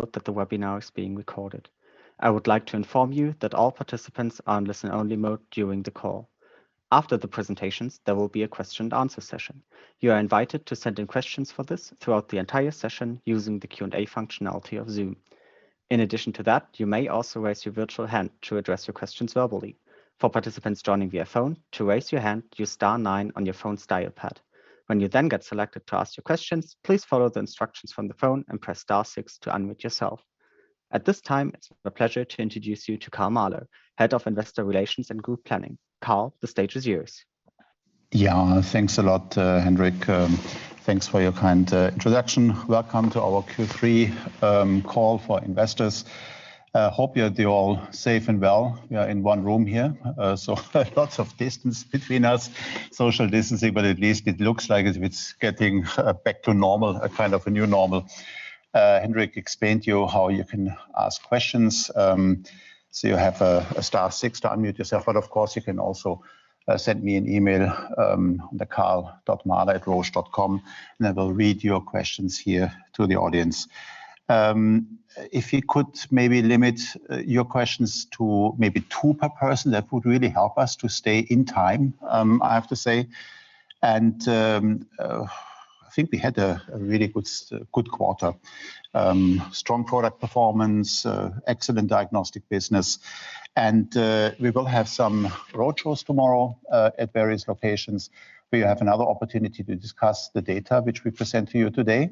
Note that the webinar is being recorded. I would like to inform you that all participants are in listen-only mode during the call. After the presentations, there will be a question and answer session. You are invited to send in questions for this throughout the entire session using the Q&A functionality of Zoom. In addition to that, you may also raise your virtual hand to address your questions verbally. For participants joining via phone, to raise your hand, use star nine on your phone's dial pad. When you then get selected to ask your questions, please follow the instructions from the phone and press star six to unmute yourself. At this time, it's my pleasure to introduce you to Karl Mahler, Head of Investor Relations and Group Planning. Karl, the stage is yours. Yeah, thanks a lot, Hendrik. Thanks for your kind introduction. Welcome to our Q3 call for investors. Hope you're all safe and well. We are in one room here, lots of distance between us, social distancing, at least it looks like it's getting back to normal, a kind of a new normal. Hendrik explained to you how you can ask questions. You have star six to unmute yourself, of course, you can also send me an email on the karl.mahler@roche.com I will read your questions here to the audience. If you could maybe limit your questions to maybe two per person, that would really help us to stay in time, I have to say. I think we had a really good quarter. Strong product performance, excellent diagnostic business. We will have some road shows tomorrow at various locations, where you have another opportunity to discuss the data which we present to you today.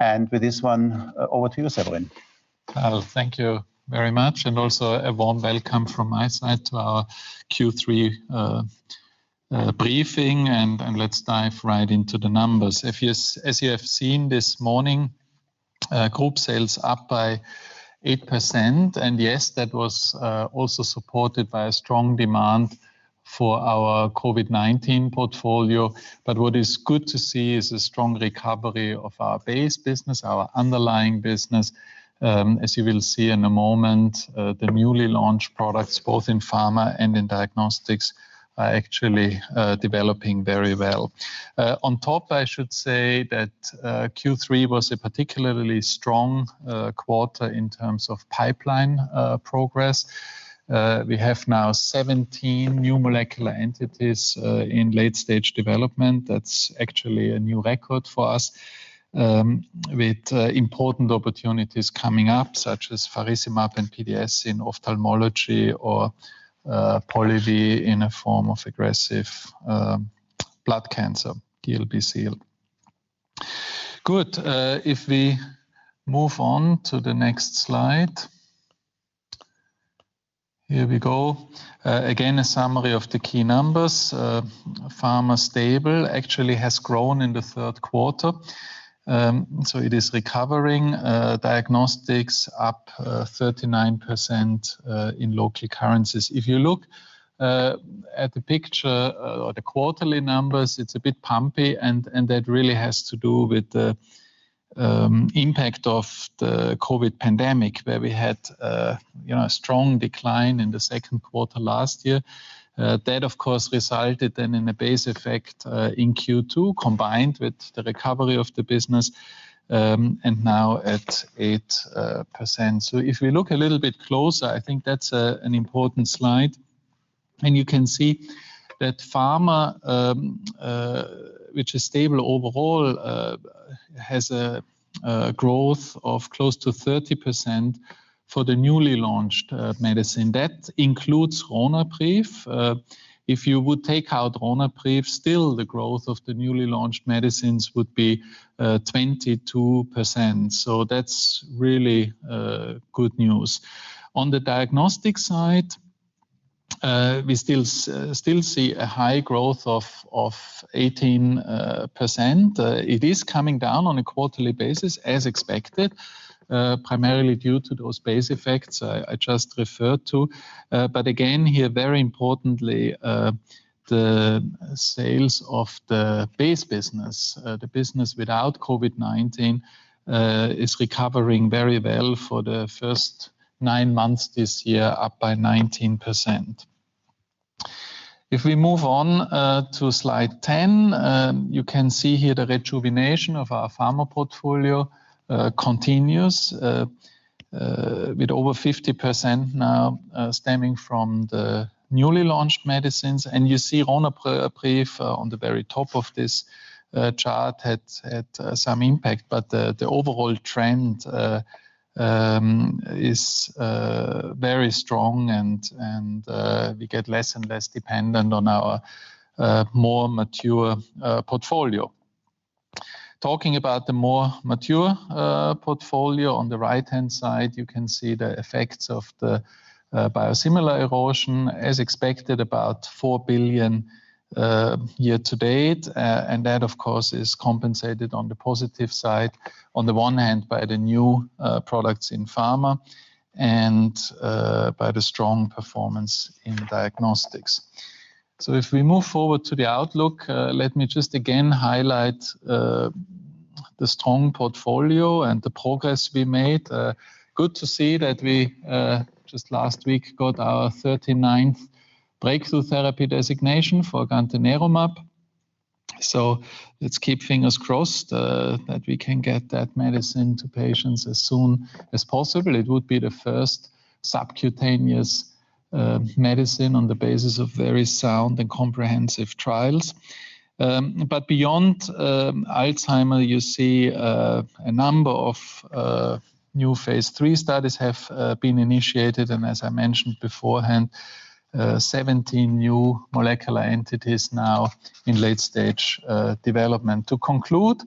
With this one, over to you, Severin. Karl, thank you very much, and also a warm welcome from my side to our Q3 briefing, and let's dive right into the numbers. As you have seen this morning, group sales up by 8%, and yes, that was also supported by a strong demand for our COVID-19 portfolio. What is good to see is a strong recovery of our base business, our underlying business. As you will see in a moment, the newly launched products, both in pharma and in diagnostics, are actually developing very well. On top, I should say that Q3 was a particularly strong quarter in terms of pipeline progress. We have now 17 new molecular entities in late-stage development. That's actually a new record for us, with important opportunities coming up, such as faricimab and PDS in ophthalmology or Polivy in a form of aggressive blood cancer, DLBCL. Good. If we move on to the next slide. Here we go. Again, a summary of the key numbers. Pharma actually has grown in the third quarter, so it is recovering. Diagnostics up 39% in local currencies. If you look at the picture or the quarterly numbers, it's a bit bumpy, and that really has to do with the impact of the COVID pandemic, where we had a strong decline in the second quarter last year. That, of course, resulted then in a base effect in Q2, combined with the recovery of the business, and now at 8%. If we look a little bit closer, I think that's an important slide. You can see that pharma, which is stable overall, has a growth of close to 30% for the newly launched medicine. That includes Ronapreve. If you would take out Ronapreve, still the growth of the newly launched medicines would be 22%. That's really good news. On the diagnostic side, we still see a high growth of 18%. It is coming down on a quarterly basis as expected, primarily due to those base effects I just referred to. Again, here, very importantly, the sales of the base business, the business without COVID-19, is recovering very well for the first nine months this year, up by 19%. If we move on to Slide 10, you can see here the rejuvenation of our pharma portfolio continues, with over 50% now stemming from the newly launched medicines. You see Ronapreve on the very top of this chart had some impact, the overall trend is very strong and we get less and less dependent on our more mature portfolio. Talking about the more mature portfolio, on the right-hand side, you can see the effects of the biosimilar erosion. As expected, about 4 billion year-to-date. That, of course, is compensated on the positive side, on the one hand by the new products in pharma and by the strong performance in diagnostics. If we move forward to the outlook, let me just again highlight the strong portfolio and the progress we made. Good to see that we just last week got our 39th breakthrough therapy designation for gantenerumab. Let's keep fingers crossed that we can get that medicine to patients as soon as possible. It would be the first subcutaneous medicine on the basis of very sound and comprehensive trials. Beyond Alzheimer's, you see a number of new phase III studies have been initiated, and as I mentioned beforehand, 17 new molecular entities now in late-stage development. To conclude,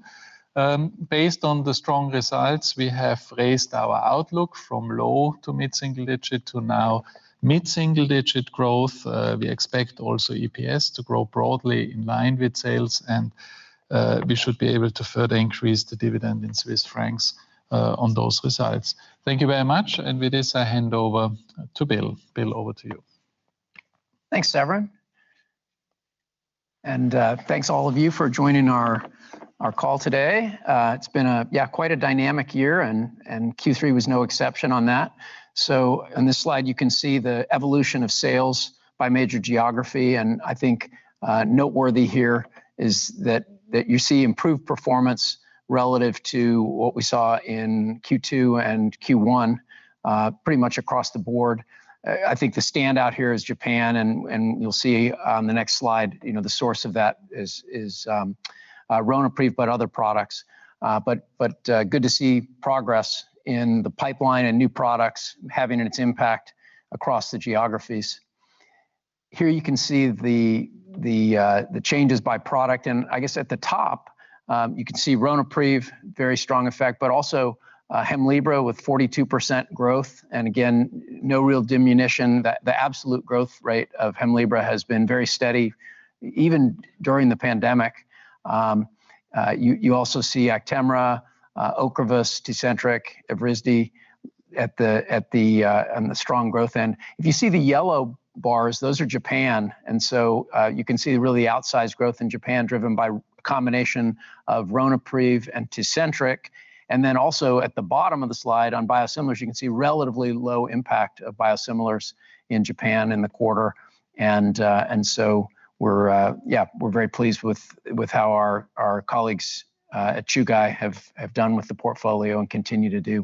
based on the strong results, we have raised our outlook from low to mid-single-digit to now mid-single-digit growth. We expect also EPS to grow broadly in line with sales, and we should be able to further increase the dividend in Swiss francs on those results. Thank you very much. With this, I hand over to Bill. Bill, over to you. Thanks, Severin. Thanks all of you for joining our call today. It's been quite a dynamic year, and Q3 was no exception on that. On this slide, you can see the evolution of sales by major geography, and I think noteworthy here is that you see improved performance relative to what we saw in Q2 and Q1 pretty much across the board. I think the standout here is Japan, and you'll see on the next slide the source of that is Ronapreve, but other products. Good to see progress in the pipeline and new products having its impact across the geographies. Here you can see the changes by product. I guess at the top, you can see Ronapreve, very strong effect, but also Hemlibra with 42% growth, and again, no real diminution. The absolute growth rate of Hemlibra has been very steady, even during the pandemic. You also see Actemra, OCREVUS, TECENTRIQ, Evrysdi on the strong growth end. If you see the yellow bars, those are Japan. You can see really outsized growth in Japan driven by a combination of Ronapreve and TECENTRIQ. Also at the bottom of the slide on biosimilars, you can see relatively low impact of biosimilars in Japan in the quarter. We're very pleased with how our colleagues at Chugai have done with the portfolio and continue to do.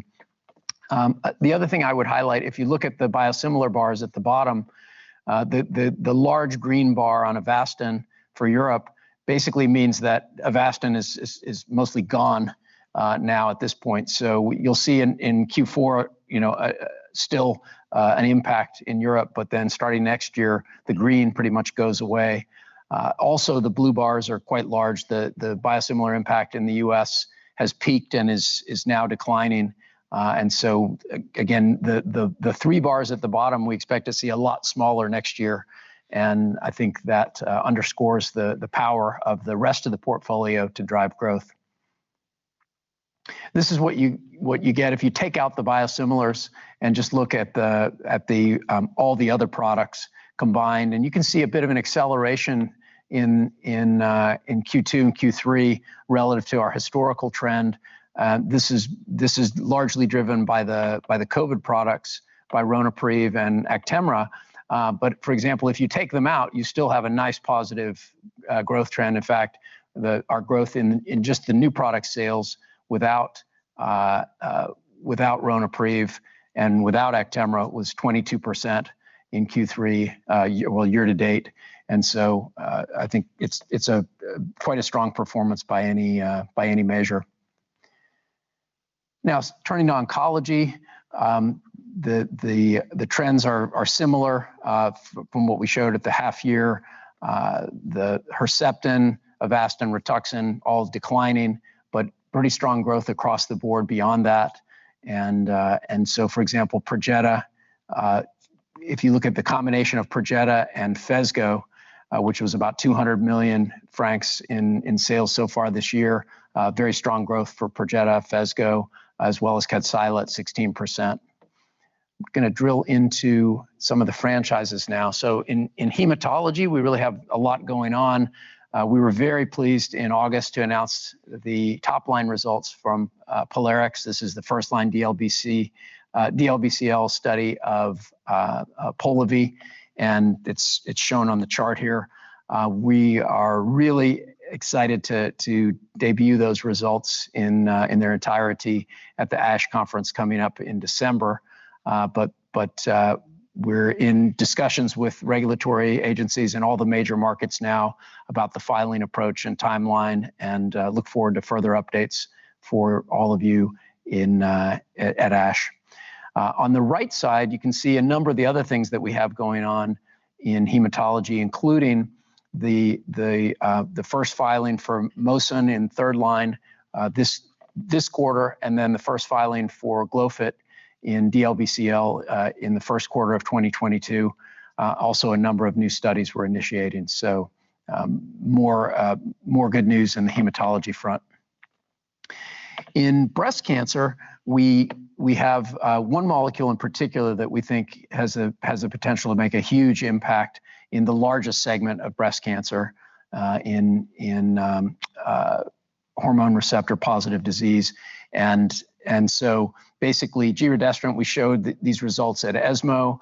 The other thing I would highlight, if you look at the biosimilar bars at the bottom, the large green bar on Avastin for Europe basically means that Avastin is mostly gone now at this point. You'll see in Q4 still an impact in Europe, but then starting next year, the green pretty much goes away. Also, the blue bars are quite large. The biosimilar impact in the U.S. has peaked and is now declining. Again, the three bars at the bottom, we expect to see a lot smaller next year, and I think that underscores the power of the rest of the portfolio to drive growth. This is what you get if you take out the biosimilars and just look at all the other products combined, and you can see a bit of an acceleration in Q2 and Q3 relative to our historical trend. This is largely driven by the COVID products, by Ronapreve and Actemra. For example, if you take them out, you still have a nice positive growth trend. In fact, our growth in just the new product sales without Ronapreve and without Actemra was 22% in Q3 year-to-date. I think it's quite a strong performance by any measure. Now, turning to oncology. The trends are similar from what we showed at the half year. The Herceptin, Avastin, Rituxan all declining, but pretty strong growth across the board beyond that. For example, Perjeta, if you look at the combination of Perjeta and Phesgo, which was about 200 million francs in sales so far this year, very strong growth for Perjeta, Phesgo, as well as Kadcyla at 16%. I'm going to drill into some of the franchises now. In hematology, we really have a lot going on. We were very pleased in August to announce the top-line results from POLARIX. This is the first-line DLBCL study of Polivy, and it is shown on the chart here. We are really excited to debut those results in their entirety at the ASH conference coming up in December. We're in discussions with regulatory agencies in all the major markets now about the filing approach and timeline, and look forward to further updates for all of you at ASH. On the right side, you can see a number of the other things that we have going on in hematology, including the first filing for Mosun in third line this quarter, and then the first filing for Glofit in DLBCL in the first quarter of 2022. Also, a number of new studies we're initiating, so more good news in the hematology front. In breast cancer, we have one molecule in particular that we think has a potential to make a huge impact in the largest segment of breast cancer in hormone receptor positive disease. Giredestrant, we showed these results at ESMO.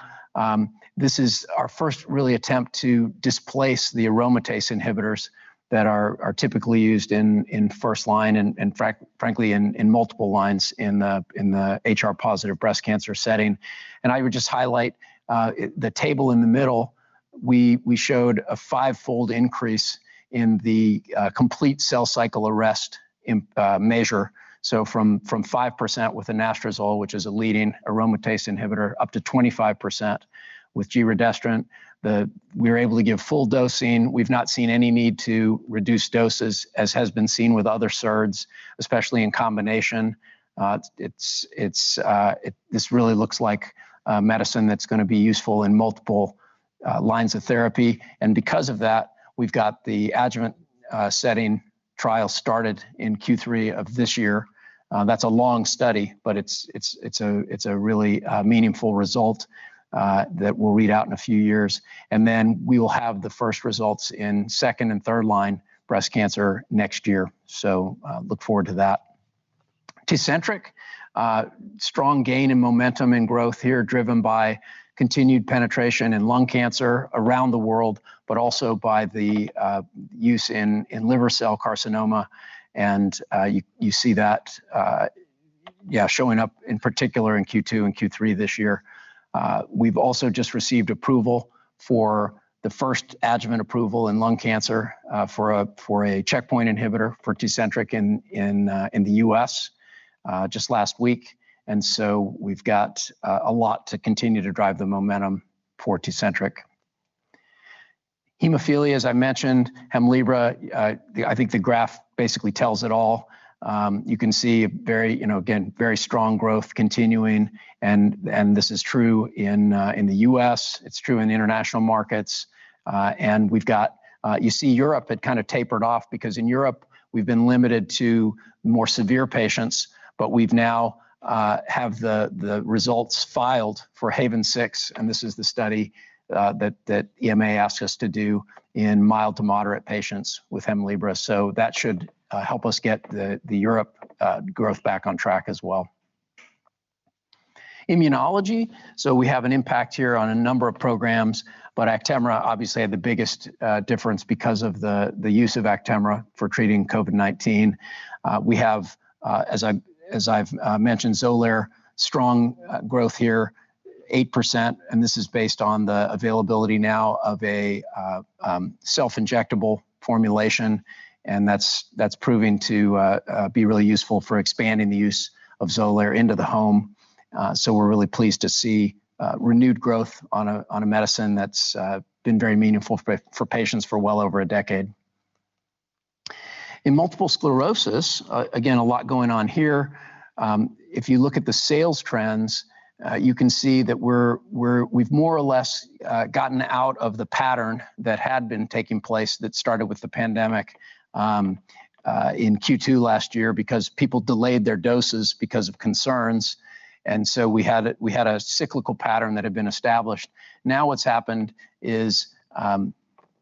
This is our first really attempt to displace the aromatase inhibitors that are typically used in first line and frankly, in multiple lines in the HR-positive breast cancer setting. I would just highlight the table in the middle, we showed a fivefold increase in the complete cell cycle arrest measure. From 5% with anastrozole, which is a leading aromatase inhibitor, up to 25% with giredestrant. We were able to give full dosing. We've not seen any need to reduce doses as has been seen with other SERDs, especially in combination. This really looks like a medicine that's going to be useful in multiple lines of therapy, because of that, we've got the adjuvant setting trial started in Q3 of this year. That's a long study, it's a really meaningful result that we'll read out in a few years. We will have the first results in second and third line breast cancer next year. Look forward to that. Tecentriq, strong gain in momentum and growth here driven by continued penetration in lung cancer around the world, by the use in hepatocellular carcinoma, and you see that showing up in particular in Q2 and Q3 this year. We've also just received approval for the first adjuvant approval in lung cancer for a checkpoint inhibitor for Tecentriq in the U.S. just last week, we've got a lot to continue to drive the momentum for Tecentriq. Hemophilia, as I mentioned, Hemlibra, I think the graph basically tells it all. You can see, again, very strong growth continuing, and this is true in the U.S., it's true in the international markets. You see Europe had kind of tapered off because in Europe we've been limited to more severe patients. We now have the results filed for HAVEN 6. This is the study that EMA asked us to do in mild to moderate patients with HEMLIBRA. That should help us get the Europe growth back on track as well. Immunology, we have an impact here on a number of programs. Actemra obviously had the biggest difference because of the use of Actemra for treating COVID-19. We have, as I've mentioned, XOLAIR, strong growth here, 8%. This is based on the availability now of a self-injectable formulation. That's proving to be really useful for expanding the use of XOLAIR into the home. We're really pleased to see renewed growth on a medicine that's been very meaningful for patients for well over a decade. In multiple sclerosis, a lot going on here. If you look at the sales trends, you can see that we've more or less gotten out of the pattern that had been taking place that started with the pandemic in Q2 last year because people delayed their doses because of concerns. We had a cyclical pattern that had been established. What's happened is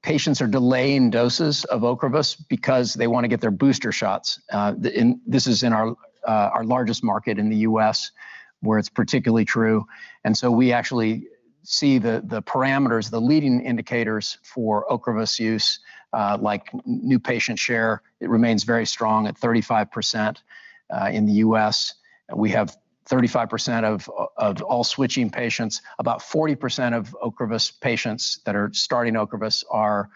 patients are delaying doses of OCREVUS because they want to get their booster shots. This is in our largest market in the U.S. where it's particularly true. We actually see the parameters, the leading indicators for OCREVUS use, like new patient share, it remains very strong at 35% in the U.S. We have 35% of all switching patients. About 40% of OCREVUS patients that are starting OCREVUS are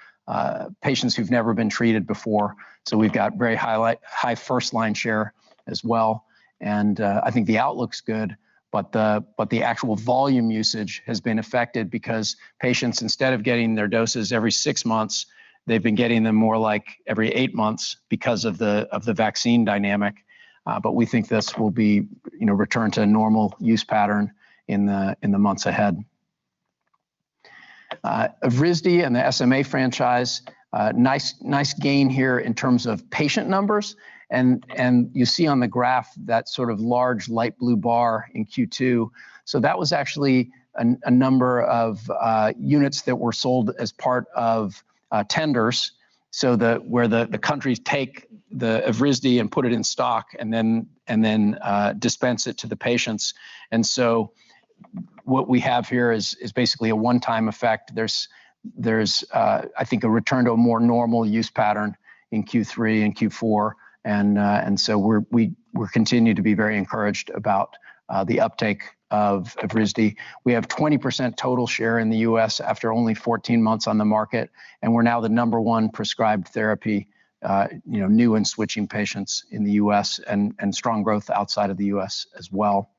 patients who've never been treated before. We've got very high first-line share as well, and I think the outlook's good, but the actual volume usage has been affected because patients, instead of getting their doses every six months, they've been getting them more like every eight months because of the vaccine dynamic. We think this will return to a normal use pattern in the months ahead. Evrysdi and the SMA franchise, nice gain here in terms of patient numbers, and you see on the graph that sort of large light blue bar in Q2. That was actually a number of units that were sold as part of tenders, where the countries take the Evrysdi and put it in stock and then dispense it to the patients. What we have here is basically a one-time effect. There's, I think, a return to a more normal use pattern in Q3 and Q4, and so we continue to be very encouraged about the uptake of Evrysdi. We have 20% total share in the U.S. after only 14 months on the market, and we're now the number one prescribed therapy, new and switching patients in the U.S., and strong growth outside of the U.S. as well.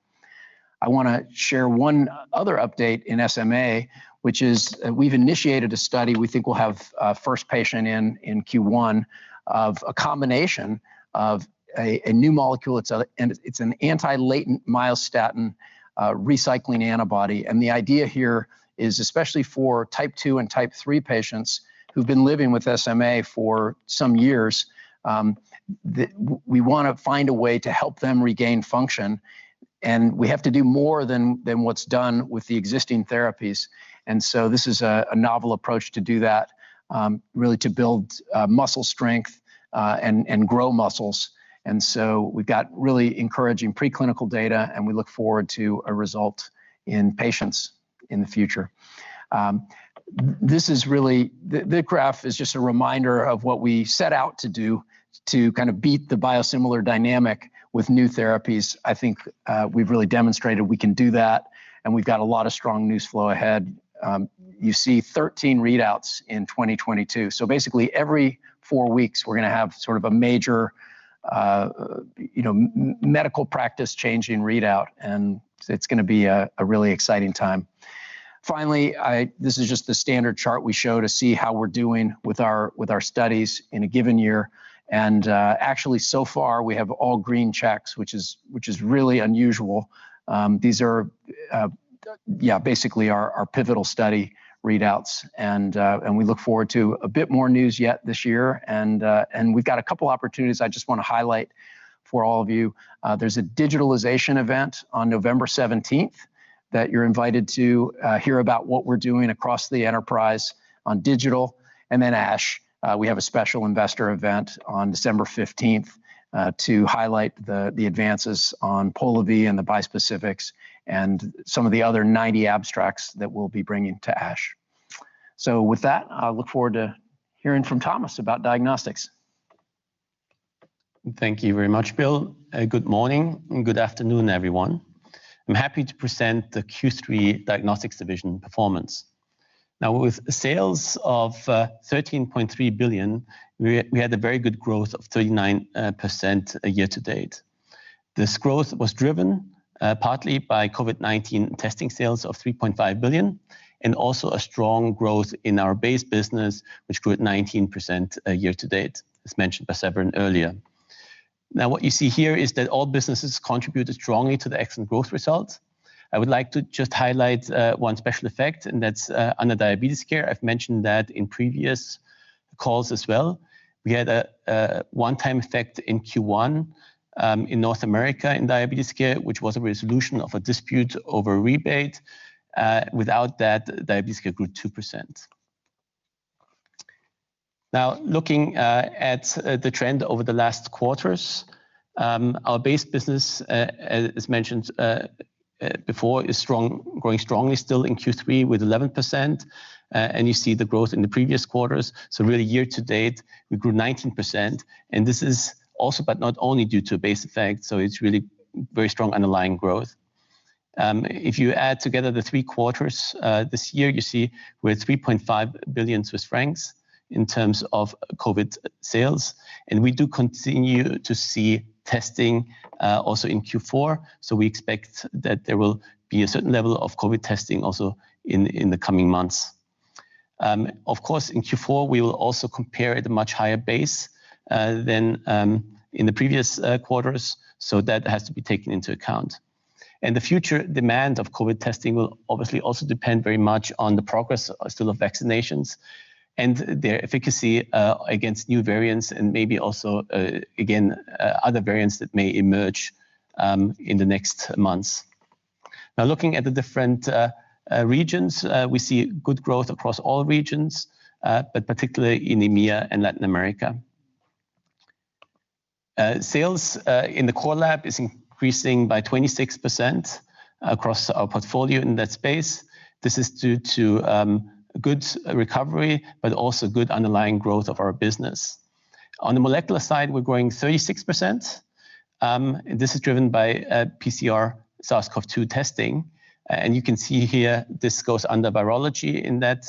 I want to share one other update in SMA, which is we've initiated a study, we think we'll have first patient in Q1, of a combination of a new molecule. It's an anti-latent myostatin recycling antibody, and the idea here is especially for type 2 and type 3 patients who've been living with SMA for some years, we want to find a way to help them regain function. We have to do more than what's done with the existing therapies. This is a novel approach to do that, really to build muscle strength and grow muscles. We've got really encouraging preclinical data, and we look forward to a result in patients in the future. This graph is just a reminder of what we set out to do to kind of beat the biosimilar dynamic with new therapies. I think we've really demonstrated we can do that, and we've got a lot of strong news flow ahead. You see 13 readouts in 2022. Basically, every four weeks, we're going to have sort of a major medical practice-changing readout, and it's going to be a really exciting time. Finally, this is just the standard chart we show to see how we're doing with our studies in a given year. Actually, so far, we have all green checks, which is really unusual. These are basically our pivotal study readouts. We look forward to a bit more news yet this year. We've got a couple opportunities I just want to highlight for all of you. There's a digitalization event on November 17th that you're invited to hear about what we're doing across the enterprise on digital. ASH, we have a special investor event on December 15th to highlight the advances on Polivy and the bispecifics and some of the other 90 abstracts that we'll be bringing to ASH. With that, I look forward to hearing from Thomas about diagnostics. Thank you very much, Bill. Good morning and good afternoon, everyone. I'm happy to present the Q3 diagnostics division performance. With sales of 13.3 billion, we had a very good growth of 39% year-to-date. This growth was driven partly by COVID-19 testing sales of 3.5 billion, a strong growth in our base business, which grew at 19% year-to-date, as mentioned by Severin earlier. What you see here is that all businesses contributed strongly to the excellent growth results. I would like to just highlight one special effect, and that's under diabetes care. I've mentioned that in previous calls as well. We had a one-time effect in Q1 in North America in diabetes care, which was a resolution of a dispute over rebate. Without that, diabetes care grew 2%. Looking at the trend over the last quarters, our base business, as mentioned before, is growing strongly still in Q3 with 11%. You see the growth in the previous quarters. Really year-to-date, we grew 19%. This is also, but not only due to base effect, it's really very strong underlying growth. If you add together the three quarters this year, you see we're at 3.5 billion Swiss francs in terms of COVID sales. We do continue to see testing also in Q4. We expect that there will be a certain level of COVID testing also in the coming months. Of course, in Q4, we will also compare at a much higher base than in the previous quarters, that has to be taken into account. The future demand of COVID testing will obviously also depend very much on the progress still of vaccinations and their efficacy against new variants and maybe also, again, other variants that may emerge in the next months. Looking at the different regions, we see good growth across all regions, but particularly in EMEA and Latin America. Sales in the core lab is increasing by 26% across our portfolio in that space. This is due to good recovery, but also good underlying growth of our business. On the molecular side, we're growing 36%. This is driven by PCR SARS-CoV-2 testing. You can see here, this goes under virology in that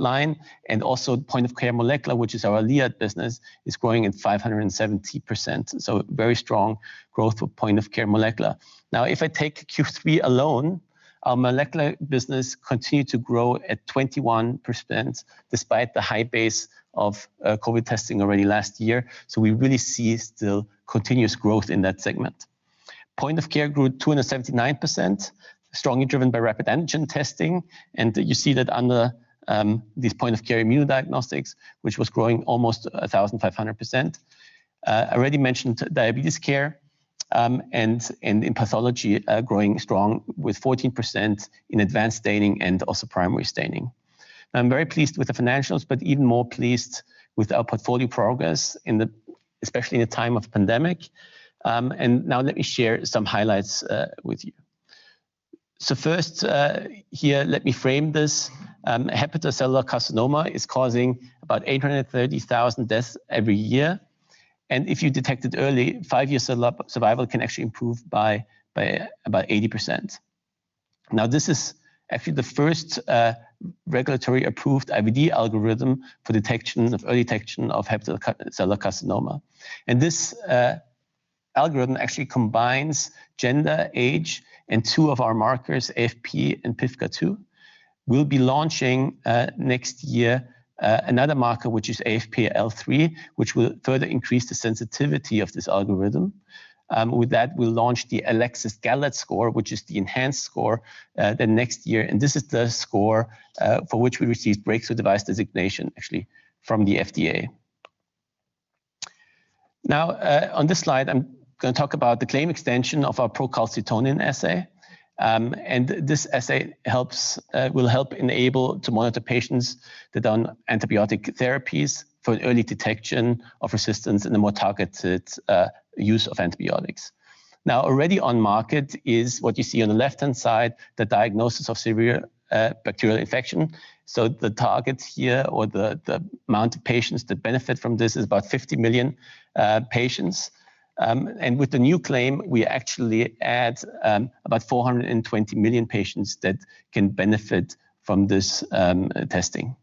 line. Also point-of-care molecular, which is our lead business, is growing at 570%. Very strong growth for point-of-care molecular. If I take Q3 alone, our molecular business continued to grow at 21% despite the high base of COVID testing already last year. We really see still continuous growth in that segment. Point of care grew 279%, strongly driven by rapid antigen testing. You see that under this point of care immune diagnostics, which was growing almost 1,500%. I already mentioned diabetes care and in pathology growing strong with 14% in advanced staining and also primary staining. I'm very pleased with the financials, but even more pleased with our portfolio progress, especially in the time of pandemic. Now let me share some highlights with you. First here, let me frame this. Hepatocellular carcinoma is causing about 830,000 deaths every year. If you detect it early, five-year survival can actually improve by about 80%. This is actually the first regulatory approved IVD algorithm for early detection of hepatocellular carcinoma. This algorithm actually combines gender, age, and two of our markers, AFP and PIVKA-II. We'll be launching next year another marker, which is AFP-L3, which will further increase the sensitivity of this algorithm. With that, we'll launch the GALAD score, which is the enhanced score the next year. This is the score for which we received breakthrough device designation actually from the FDA. On this slide, I'm going to talk about the claim extension of our procalcitonin assay. This assay will help enable to monitor patients that are on antibiotic therapies for early detection of resistance and a more targeted use of antibiotics. Already on market is what you see on the left-hand side, the diagnosis of severe bacterial infection. The targets here, or the amount of patients that benefit from this, is about 50 million patients. With the new claim, we actually add about 420 million patients that can benefit from this testing.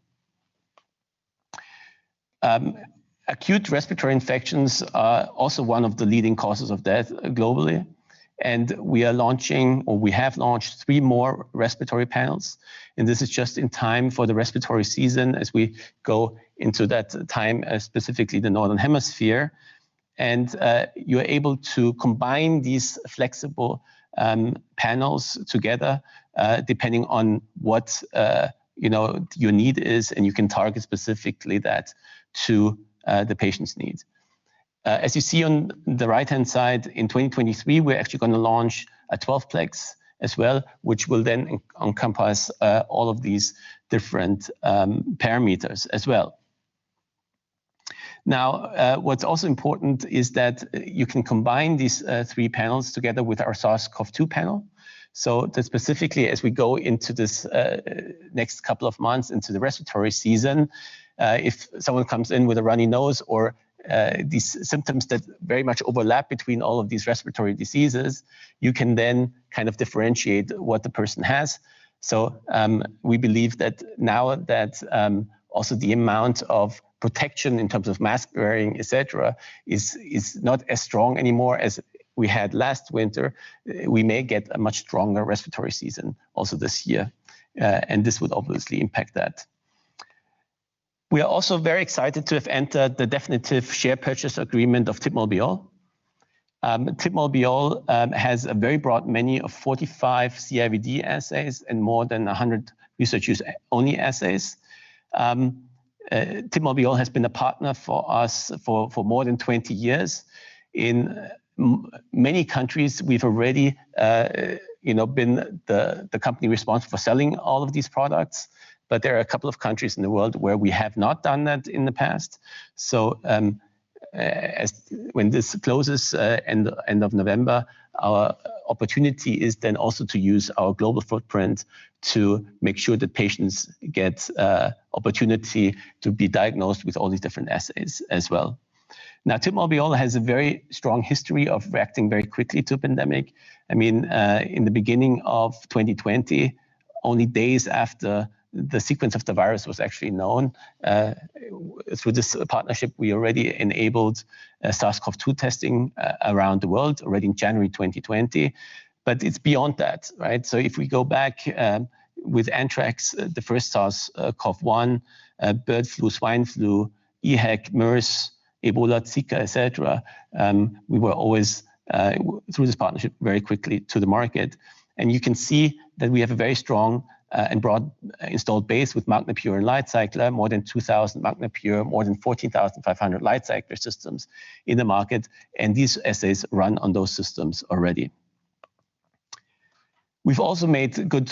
Acute respiratory infections are also one of the leading causes of death globally, and we are launching, or we have launched three more respiratory panels. This is just in time for the respiratory season as we go into that time, specifically the northern hemisphere. You're able to combine these flexible panels together, depending on what your need is, and you can target specifically that to the patient's needs. As you see on the right-hand side, in 2023, we're actually going to launch a 12-plex as well, which will then encompass all of these different parameters as well. What's also important is that you can combine these three panels together with our SARS-CoV-2 panel. Specifically, as we go into this next couple of months into the respiratory season, if someone comes in with a runny nose or these symptoms that very much overlap between all of these respiratory diseases, you can then kind of differentiate what the person has. We believe that now that also the amount of protection in terms of mask-wearing, et cetera, is not as strong anymore as we had last winter, we may get a much stronger respiratory season also this year, and this would obviously impact that. We are also very excited to have entered the definitive share purchase agreement of TIB Molbiol. TIB Molbiol has a very broad menu of 45 CE-IVD assays and more than 100 research-use only assays. TIB Molbiol has been a partner for us for more than 20 years. In many countries, we've already been the company responsible for selling all of these products, there are a couple of countries in the world where we have not done that in the past. When this closes end of November, our opportunity is then also to use our global footprint to make sure that patients get opportunity to be diagnosed with all these different assays as well. TIB Molbiol has a very strong history of reacting very quickly to pandemic. In the beginning of 2020, only days after the sequence of the virus was actually known, through this partnership, we already enabled SARS-CoV-2 testing around the world already in January 2020. It's beyond that. If we go back with anthrax, the first SARS-CoV-1, bird flu, swine flu, EHEC, MERS, Ebola, Zika, et cetera, we were always, through this partnership, very quickly to the market. You can see that we have a very strong and broad installed base with MagNA Pure and LightCycler, more than 2,000 MagNA Pure, more than 14,500 LightCycler systems in the market, and these assays run on those systems already. We've also made good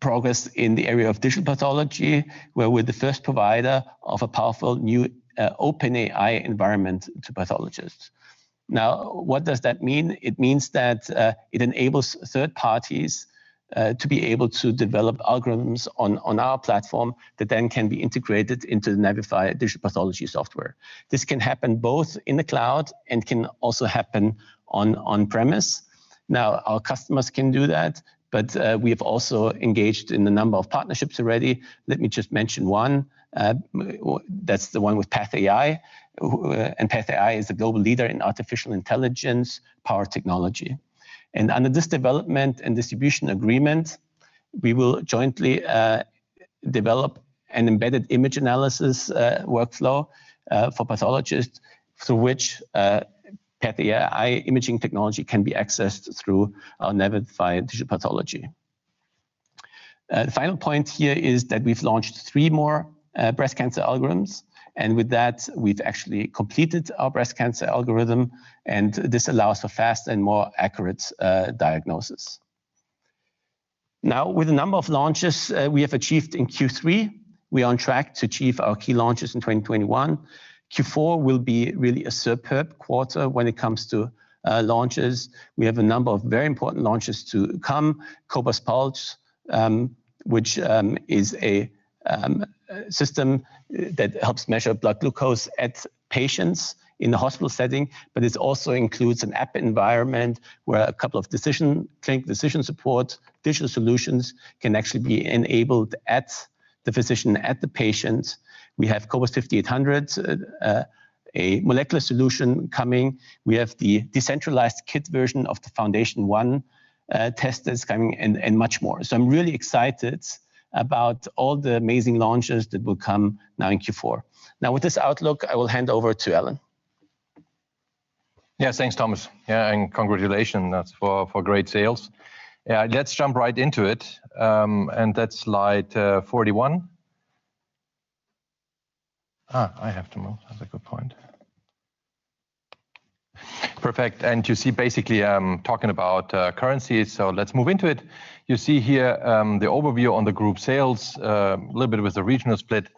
progress in the area of digital pathology, where we're the first provider of a powerful new open AI environment to pathologists. Now, what does that mean? It means that it enables third parties to be able to develop algorithms on our platform that then can be integrated into the Navify digital pathology software. This can happen both in the cloud and can also happen on premise. Our customers can do that, we have also engaged in a number of partnerships already. Let me just mention one. That's the one with PathAI is a global leader in artificial intelligence-powered technology. Under this development and distribution agreement, we will jointly develop an embedded image analysis workflow for pathologists through which PathAI imaging technology can be accessed through our Navify digital pathology. Final point here is that we've launched three more breast cancer algorithms, with that, we've actually completed our breast cancer algorithm, this allows for fast and more accurate diagnosis. With the number of launches we have achieved in Q3, we are on track to achieve our key launches in 2021. Q4 will be really a superb quarter when it comes to launches. We have a number of very important launches to come. Cobas pulse, which is a system that helps measure blood glucose at patients in the hospital setting, but it also includes an app environment where a couple of decision support digital solutions can actually be enabled at the physician, at the patients. We have cobas 5800, a molecular solution coming. We have the decentralized kit version of the FoundationOne testers coming and much more. I'm really excited about all the amazing launches that will come now in Q4. With this outlook, I will hand over to Alan. Yes. Thanks, Thomas. Congratulations for great sales. Let's jump right into it, that's Slide 41. I have to move. That's a good point. Perfect. You see basically I'm talking about currencies, let's move into it. You see here the overview on the group sales, a little bit with the regional split.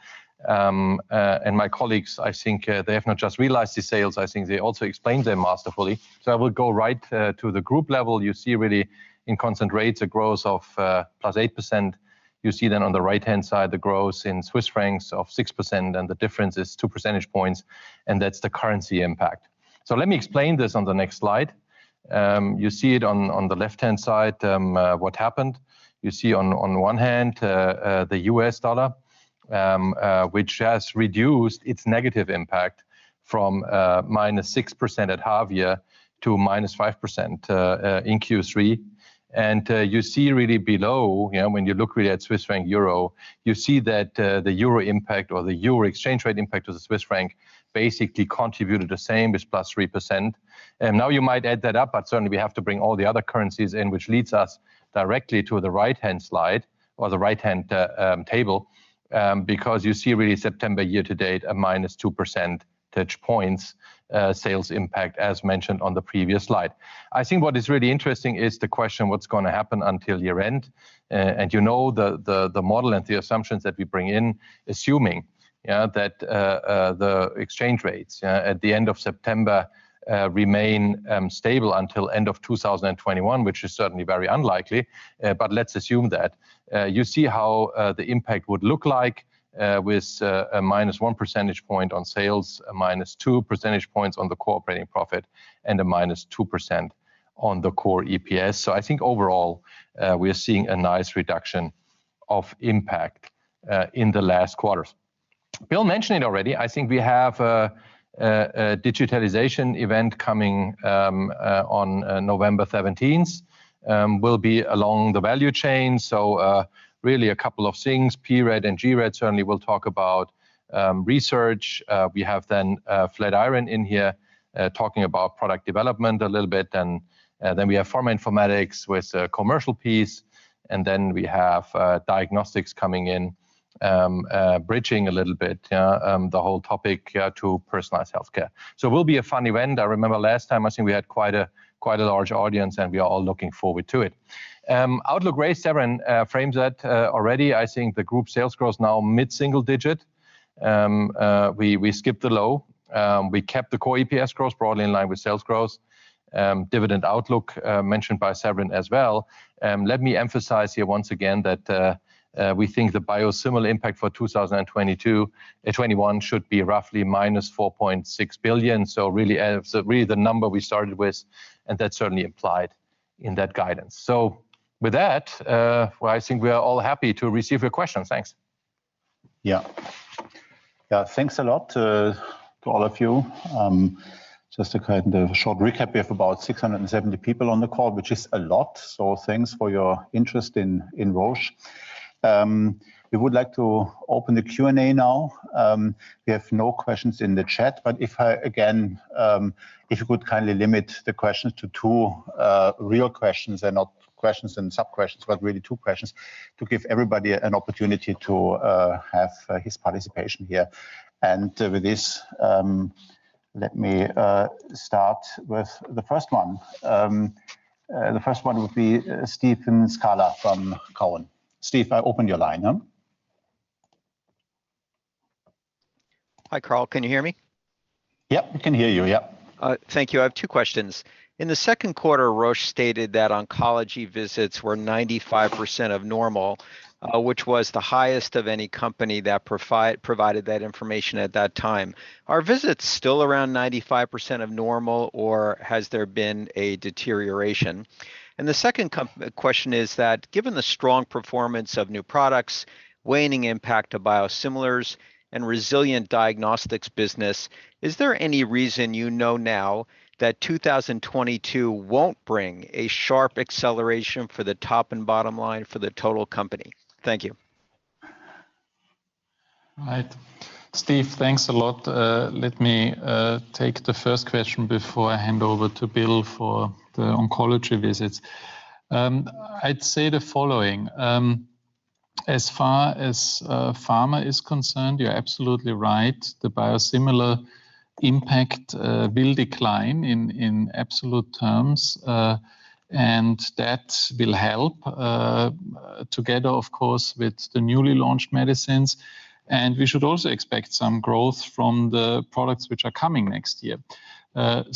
My colleagues, I think they have not just realized the sales, I think they also explained them masterfully. I will go right to the group level. You see really in constant rates a growth of +8%. You see on the right-hand side the growth in Swiss francs of 6%, the difference is 2 percentage points, that's the currency impact. Let me explain this on the next slide. You see it on the left-hand side, what happened. You see on one hand the U.S. dollar, which has reduced its negative impact from -6% at half year to -5% in Q3. You see really below, when you look really at Swiss franc Euro, you see that the Euro impact or the Euro exchange rate impact to the Swiss franc basically contributed the same as +3%. You might add that up, but certainly we have to bring all the other currencies in, which leads us directly to the right-hand slide or the right-hand table. You see really September year-to-date a -2% touch points sales impact as mentioned on the previous slide. I think what is really interesting is the question what's going to happen until year end. You know the model and the assumptions that we bring in assuming that the exchange rates at the end of September remain stable until end of 2021, which is certainly very unlikely. Let's assume that. You see how the impact would look like with a -1 percentage point on sales, a -2 percentage points on the core operating profit, and a -2% on the core EPS. I think overall, we are seeing a nice reduction of impact in the last quarters. Bill mentioned it already. I think we have a digitalization event coming on November 17th. It will be along the value chain, so really a couple of things. pRED and gRED certainly will talk about research. We have Flatiron in here talking about product development a little bit. We have Pharma Informatics with a commercial piece, and then we have Diagnostics coming in bridging a little bit the whole topic to personalized healthcare. It will be a fun event. I remember last time, I think we had quite a large audience, and we are all looking forward to it. Outlook raised Severin framed that already I think the group sales growth now mid-single digit. We skipped the low. We kept the core EPS growth broadly in line with sales growth. Dividend outlook mentioned by Severin as well. Let me emphasize here once again that we think the biosimilar impact for 2022, 2021 should be roughly -4.6 billion, so really the number we started with, and that's certainly implied in that guidance. With that, well, I think we are all happy to receive your questions. Thanks. Yeah. Thanks a lot to all of you. Just a kind of short recap, we have about 670 people on the call, which is a lot, so thanks for your interest in Roche. We would like to open the Q&A now. We have no questions in the chat, if you could kindly limit the questions to two real questions and not questions and sub-questions, but really two questions to give everybody an opportunity to have his participation here. With this, let me start with the first one. The first one would be Steve Scala from Cowen. Steve, I open your line now. Hi, Karl. Can you hear me? Yep, we can hear you. Yep. Thank you. I have two questions. In the second quarter, Roche stated that oncology visits were 95% of normal, which was the highest of any company that provided that information at that time. Are visits still around 95% of normal, or has there been a deterioration? The second question is that given the strong performance of new products, waning impact of biosimilars, and resilient diagnostics business, is there any reason you know now that 2022 won't bring a sharp acceleration for the top and bottom line for the total company? Thank you. All right. Steve, thanks a lot. Let me take the first question before I hand over to Bill for the oncology visits. I'd say the following. As far as pharma is concerned, you're absolutely right. The biosimilar impact will decline in absolute terms. That will help together, of course, with the newly launched medicines. We should also expect some growth from the products which are coming next year. I'd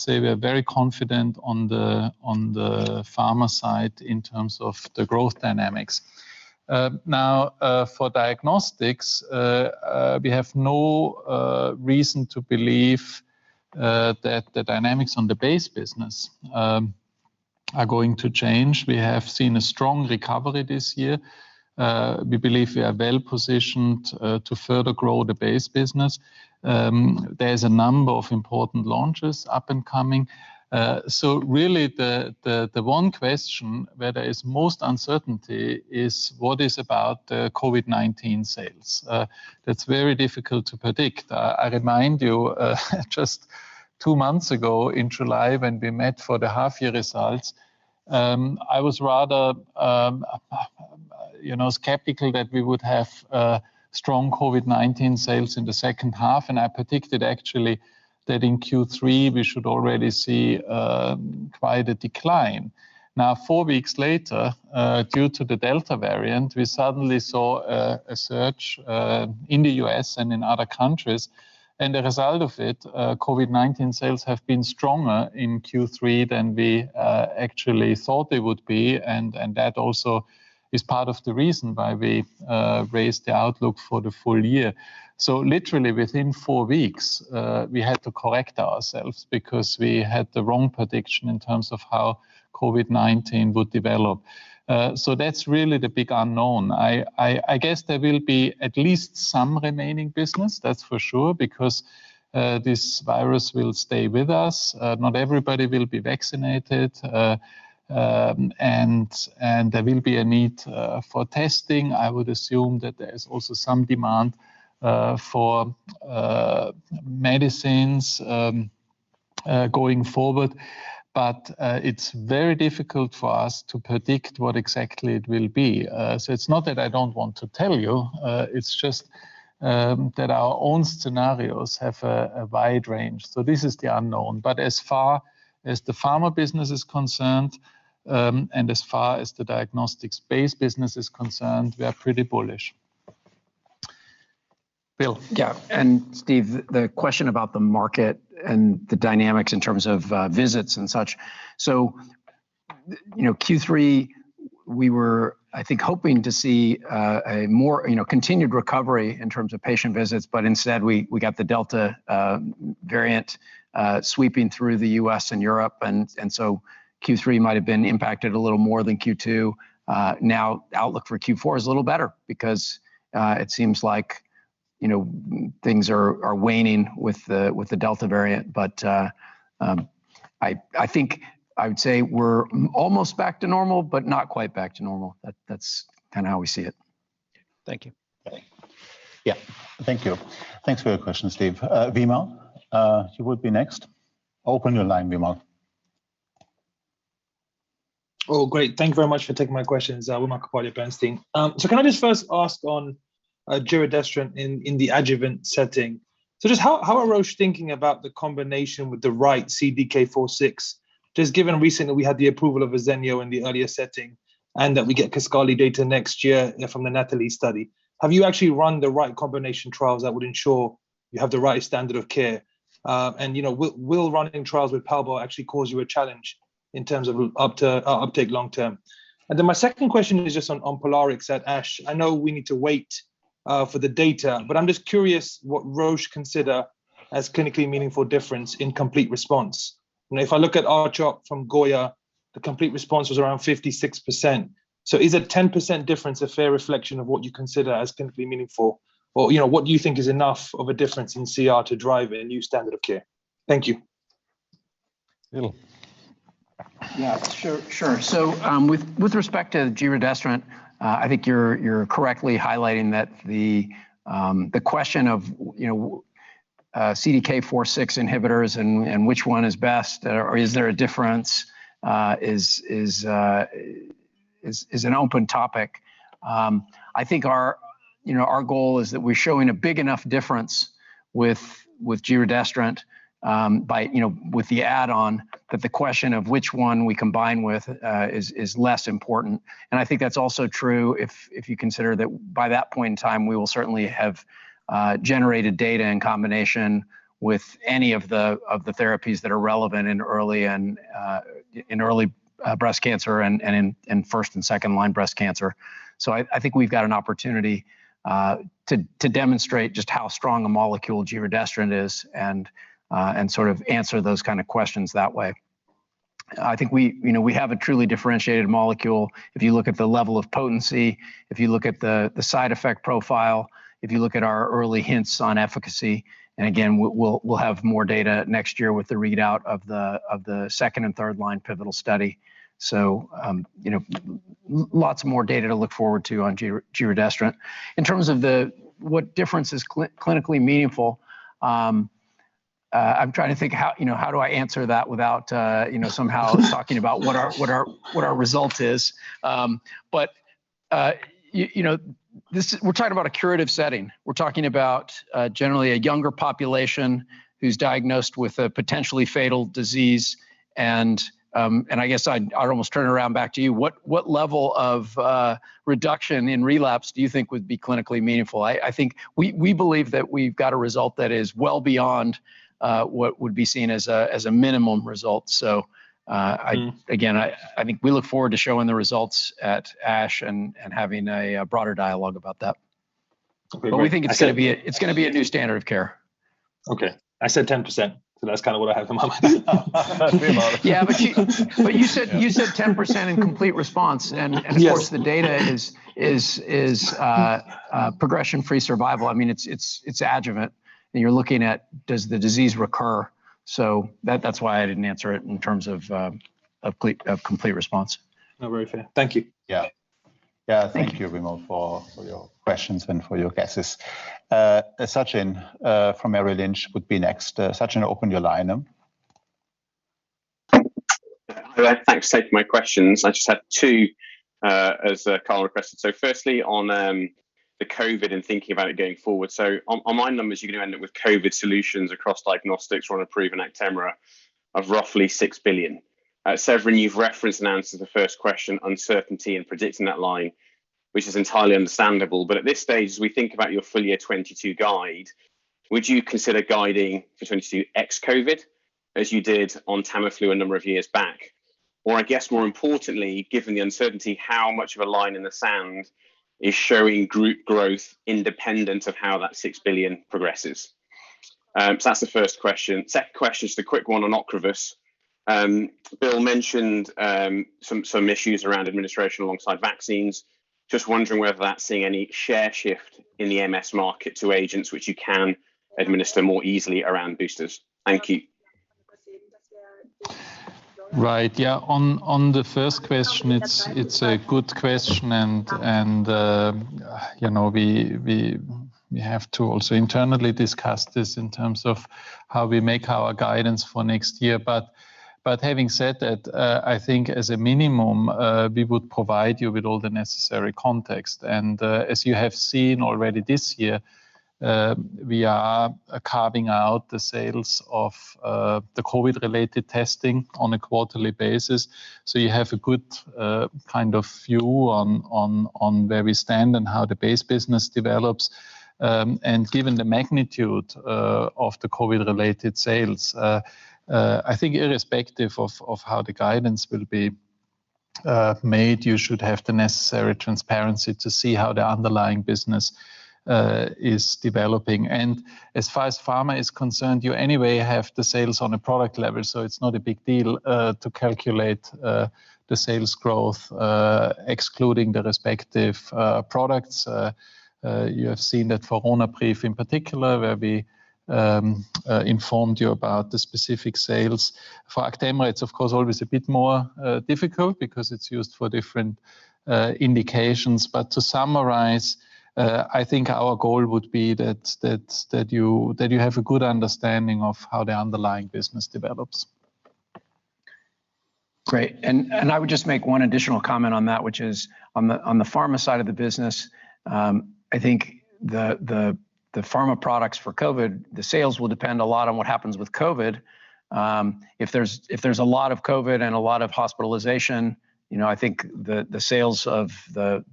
say we are very confident on the pharma side in terms of the growth dynamics. For diagnostics, we have no reason to believe that the dynamics on the base business are going to change. We have seen a strong recovery this year. We believe we are well-positioned to further grow the base business. There's a number of important launches up and coming. Really the one question where there is most uncertainty is what is about the COVID-19 sales. That's very difficult to predict. I remind you just two months ago in July when we met for the half year results. I was rather skeptical that we would have strong COVID-19 sales in the second half, and I predicted actually that in Q3, we should already see quite a decline. Four weeks later, due to the Delta variant, we suddenly saw a surge in the U.S. and in other countries, and the result of it, COVID-19 sales have been stronger in Q3 than we actually thought they would be. That also is part of the reason why we raised the outlook for the full year. Literally within four weeks, we had to correct ourselves because we had the wrong prediction in terms of how COVID-19 would develop. That's really the big unknown. I guess there will be at least some remaining business, that's for sure, because this virus will stay with us. Not everybody will be vaccinated, and there will be a need for testing. I would assume that there is also some demand for medicines going forward. It's very difficult for us to predict what exactly it will be. It's not that I don't want to tell you, it's just that our own scenarios have a wide range. This is the unknown. As far as the pharma business is concerned, and as far as the diagnostics-based business is concerned, we are pretty bullish. Bill? Yeah. Steve, the question about the market and the dynamics in terms of visits and such. Q3, we were, I think, hoping to see a more continued recovery in terms of patient visits, but instead, we got the Delta variant sweeping through the U.S. and Europe, and so Q3 might've been impacted a little more than Q2. Now, outlook for Q4 is a little better because it seems like things are waning with the Delta variant. I think I would say we're almost back to normal, but not quite back to normal. That's kind of how we see it. Thank you. Okay. Yeah. Thank you. Thanks for your question, Steve. Wimal, you would be next. Open your line Wimal. Oh, great. Thank you very much for taking my questions. Wimal Kapadia, Bernstein. Can I just first ask on giredestrant in the adjuvant setting? Just how are Roche thinking about the combination with the right CDK4/6? Just given recently we had the approval of Verzenio in the earlier setting, and that we get Kisqali data next year from the NATALEE study. Have you actually run the right combination trials that would ensure you have the right standard of care? Will running trials with Ibrance actually cause you a challenge in terms of uptake long term? My second question is just on POLARIX at ASH. I know we need to wait for the data, but I'm just curious what Roche consider as clinically meaningful difference in complete response. If I look at R-CHOP from GOYA, the complete response was around 56%. Is a 10% difference a fair reflection of what you consider as clinically meaningful or what you think is enough of a difference in CR to drive a new standard of care? Thank you. Bill. Yeah, sure. With respect to giredestrant, I think you're correctly highlighting that the question of CDK 4/6 inhibitors and which one is best or is there a difference is an open topic. I think our goal is that we're showing a big enough difference with giredestrant with the add-on, that the question of which one we combine with is less important. I think that's also true if you consider that by that point in time, we will certainly have generated data and combination with any of the therapies that are relevant in early breast cancer and in first and second-line breast cancer. I think we've got an opportunity to demonstrate just how strong a molecule giredestrant is and sort of answer those kind of questions that way. I think we have a truly differentiated molecule. If you look at the level of potency, if you look at the side effect profile, if you look at our early hints on efficacy, and again, we'll have more data next year with the readout of the second and third-line pivotal study. Lots more data to look forward to on giredestrant. In terms of what difference is clinically meaningful, I'm trying to think how do I answer that without somehow talking about what our result is. We're talking about a curative setting. We're talking about generally a younger population who's diagnosed with a potentially fatal disease, and I guess I'd almost turn it around back to you. What level of reduction in relapse do you think would be clinically meaningful? I think we believe that we've got a result that is well beyond what would be seen as a minimum result. Again, I think we look forward to showing the results at ASH and having a broader dialogue about that. Okay, great. We think it's going to be a new standard of care. Okay. I said 10%, so that's kind of what I have in my mind now. Yeah, you said 10% in complete response. Of course the data is progression-free survival. It's adjuvant, you're looking at does the disease recur. That's why I didn't answer it in terms of complete response. No, very fair. Thank you. Yeah. Yeah. Thank you, Wimal, for your questions and for your guesses. Sachin from Merrill Lynch would be next. Sachin, open your line. Thanks for taking my questions. I just have two, as Karl requested. Firstly, on the COVID and thinking about it going forward. On my numbers, you're going to end up with COVID solutions across diagnostics, Ronapreve and Actemra, of roughly 6 billion. Severin, you've referenced and answered the first question, uncertainty in predicting that line, which is entirely understandable, but at this stage, as we think about your full year 2022 guide, would you consider guiding for 2022 ex-COVID, as you did on Tamiflu a number of years back? I guess more importantly, given the uncertainty, how much of a line in the sand is showing group growth independent of how that 6 billion progresses? That's the first question. Second question is the quick one on OCREVUS. Bill mentioned some issues around administration alongside vaccines. Just wondering whether that's seeing any share shift in the MS market to agents which you can administer more easily around boosters. Thank you. Right. Yeah. On the first question, it's a good question. We have to also internally discuss this in terms of how we make our guidance for next year. Having said that, I think as a minimum, we would provide you with all the necessary context. As you have seen already this year, we are carving out the sales of the COVID-related testing on a quarterly basis, so you have a good view on where we stand and how the base business develops. Given the magnitude of the COVID-related sales, I think irrespective of how the guidance will be made, you should have the necessary transparency to see how the underlying business is developing. As far as Pharma is concerned, you anyway have the sales on a product level, so it's not a big deal to calculate the sales growth excluding the respective products. You have seen that for Ronapreve in particular, where we informed you about the specific sales. For Actemra, it's of course always a bit more difficult because it's used for different indications. To summarize, I think our goal would be that you have a good understanding of how the underlying business develops. Great. I would just make one additional comment on that, which is on the pharma side of the business, I think the pharma products for COVID, the sales will depend a lot on what happens with COVID. If there's a lot of COVID and a lot of hospitalization, I think the sales of Actemra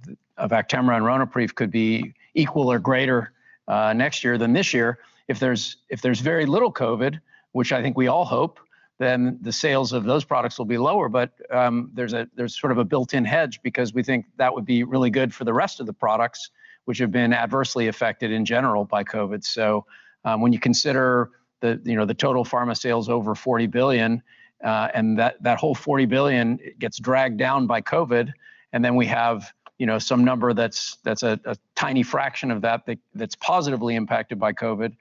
and Ronapreve could be equal to or greater next year than this year. If there's very little COVID, which I think we all hope, the sales of those products will be lower. There's sort of a built-in hedge because we think that would be really good for the rest of the products, which have been adversely affected in general by COVID. When you consider the total Pharma sales over 40 billion, and that whole 40 billion gets dragged down by COVID, and then we have some number that's a tiny fraction of that that's positively impacted by COVID,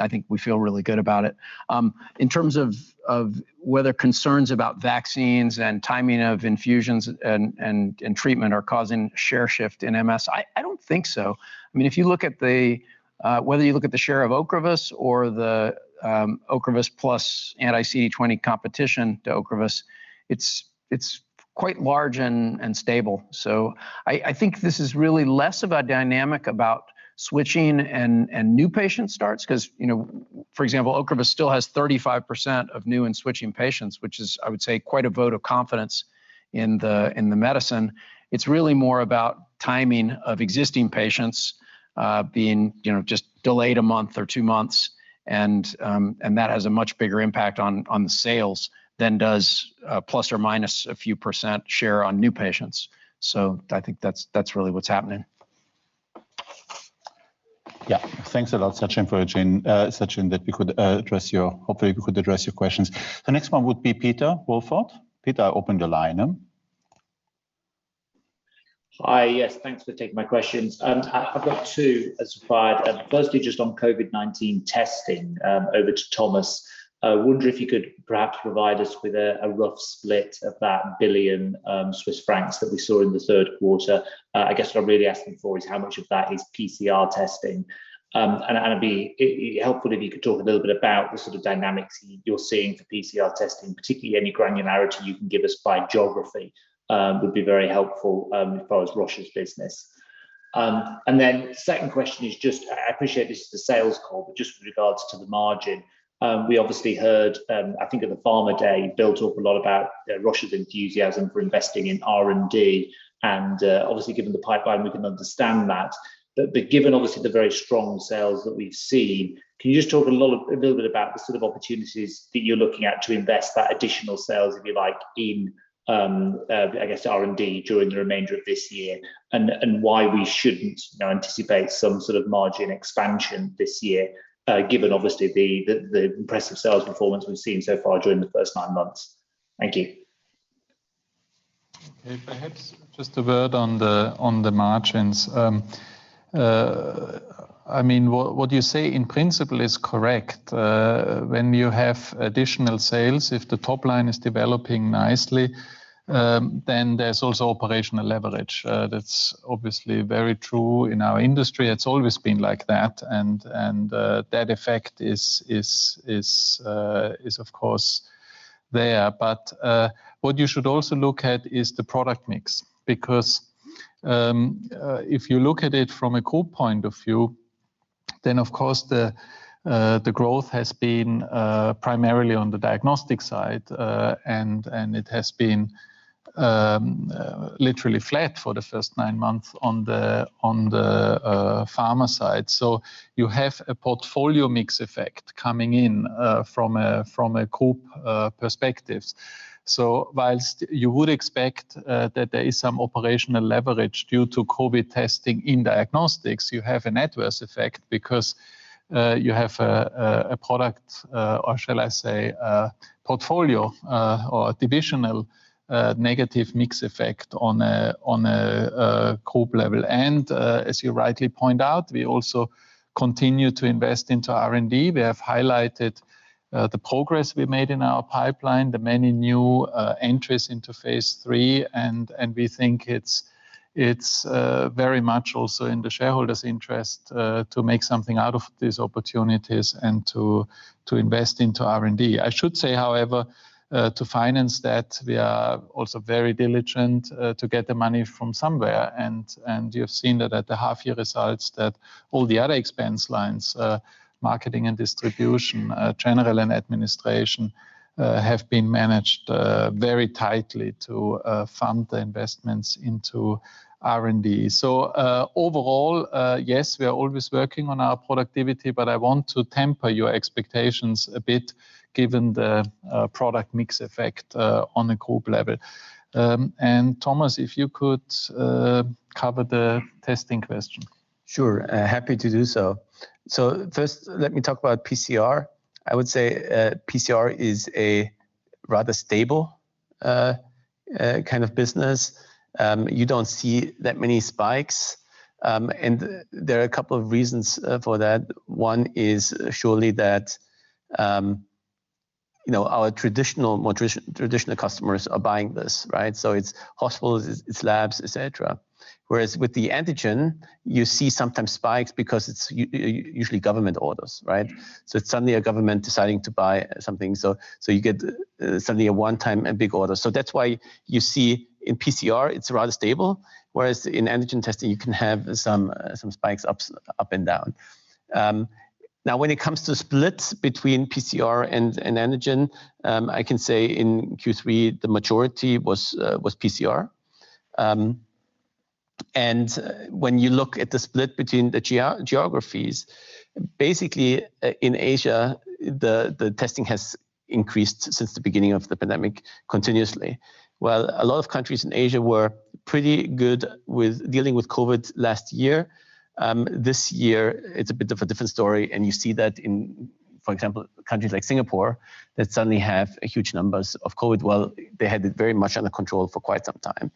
I think we feel really good about it. In terms of whether concerns about vaccines and timing of infusions and treatment are causing share shift in MS, I don't think so. Whether you look at the share of OCREVUS or the OCREVUS plus anti-CD20 competition to OCREVUS, it's quite large and stable. I think this is really less of a dynamic about switching and new patient starts because, for example, OCREVUS still has 35% of new and switching patients, which is, I would say, quite a vote of confidence in the medicine. It's really more about timing of existing patients being just delayed a month or two months. That has a much bigger impact on the sales than does a ± a few percent share on new patients. I think that's really what's happening. Yeah. Thanks a lot, Sachin, that hopefully we could address your questions. The next one would be Peter Welford. Peter, open the line. Hi. Yes, thanks for taking my questions. I've got two as supplied. On COVID-19 testing, over to Thomas. I wonder if you could perhaps provide us with a rough split of that 1 billion Swiss francs that we saw in the third quarter. I guess what I'm really asking for is how much of that is PCR testing? It'd be helpful if you could talk a little bit about the sort of dynamics you're seeing for PCR testing, particularly any granularity you can give us by geography would be very helpful as far as Roche's business. Second question is just, I appreciate this is a sales call, but just with regards to the margin. We obviously heard, I think at the Pharma Day, Bill talk a lot about Roche's enthusiasm for investing in R&D, and obviously given the pipeline, we can understand that. Given obviously the very strong sales that we've seen, can you just talk a little bit about the sort of opportunities that you're looking at to invest that additional sales, if you like, in R&D during the remainder of this year? Why we shouldn't anticipate some sort of margin expansion this year, given obviously the impressive sales performance we've seen so far during the first nine months. Thank you. Okay. Perhaps just a word on the margins. What you say in principle is correct. You have additional sales, if the top line is developing nicely, there's also operational leverage. That's obviously very true in our industry. It's always been like that effect is of course there. What you should also look at is the product mix, because if you look at it from a group point of view, of course, the growth has been primarily on the Diagnostics side, and it has been literally flat for the first nine months on the Pharma side. You have a portfolio mix effect coming in from a group perspective. Whilst you would expect that there is some operational leverage due to COVID testing in diagnostics, you have an adverse effect because you have a product, or shall I say, a portfolio, or a divisional negative mix effect on a group level. As you rightly point out, we also continue to invest into R&D. We have highlighted the progress we made in our pipeline, the many new entries into phase III, and we think it's very much also in the shareholders' interest to make something out of these opportunities and to invest into R&D. I should say, however, to finance that, we are also very diligent to get the money from somewhere. You have seen that at the half-year results, that all the other expense lines, marketing and distribution, general and administration, have been managed very tightly to fund the investments into R&D. Overall, yes, we are always working on our productivity, but I want to temper your expectations a bit given the product mix effect on a group level. Thomas, if you could cover the testing question. Sure, happy to do so. First let me talk about PCR. I would say PCR is a rather stable kind of business. You don't see that many spikes, and there are a couple of reasons for that. One is surely that our traditional customers are buying this. It's hospitals, it's labs, et cetera. Whereas with the antigen, you see sometimes spikes because it's usually government orders. It's suddenly a government deciding to buy something. You get suddenly a one-time and big order. That's why you see in PCR, it's rather stable, whereas in antigen testing, you can have some spikes up and down. When it comes to splits between PCR and antigen, I can say in Q3, the majority was PCR. When you look at the split between the geographies, basically in Asia, the testing has increased since the beginning of the pandemic continuously. While a lot of countries in Asia were pretty good with dealing with COVID last year, this year it's a bit of a different story, and you see that in, for example, countries like Singapore that suddenly have huge numbers of COVID, while they had it very much under control for quite some time.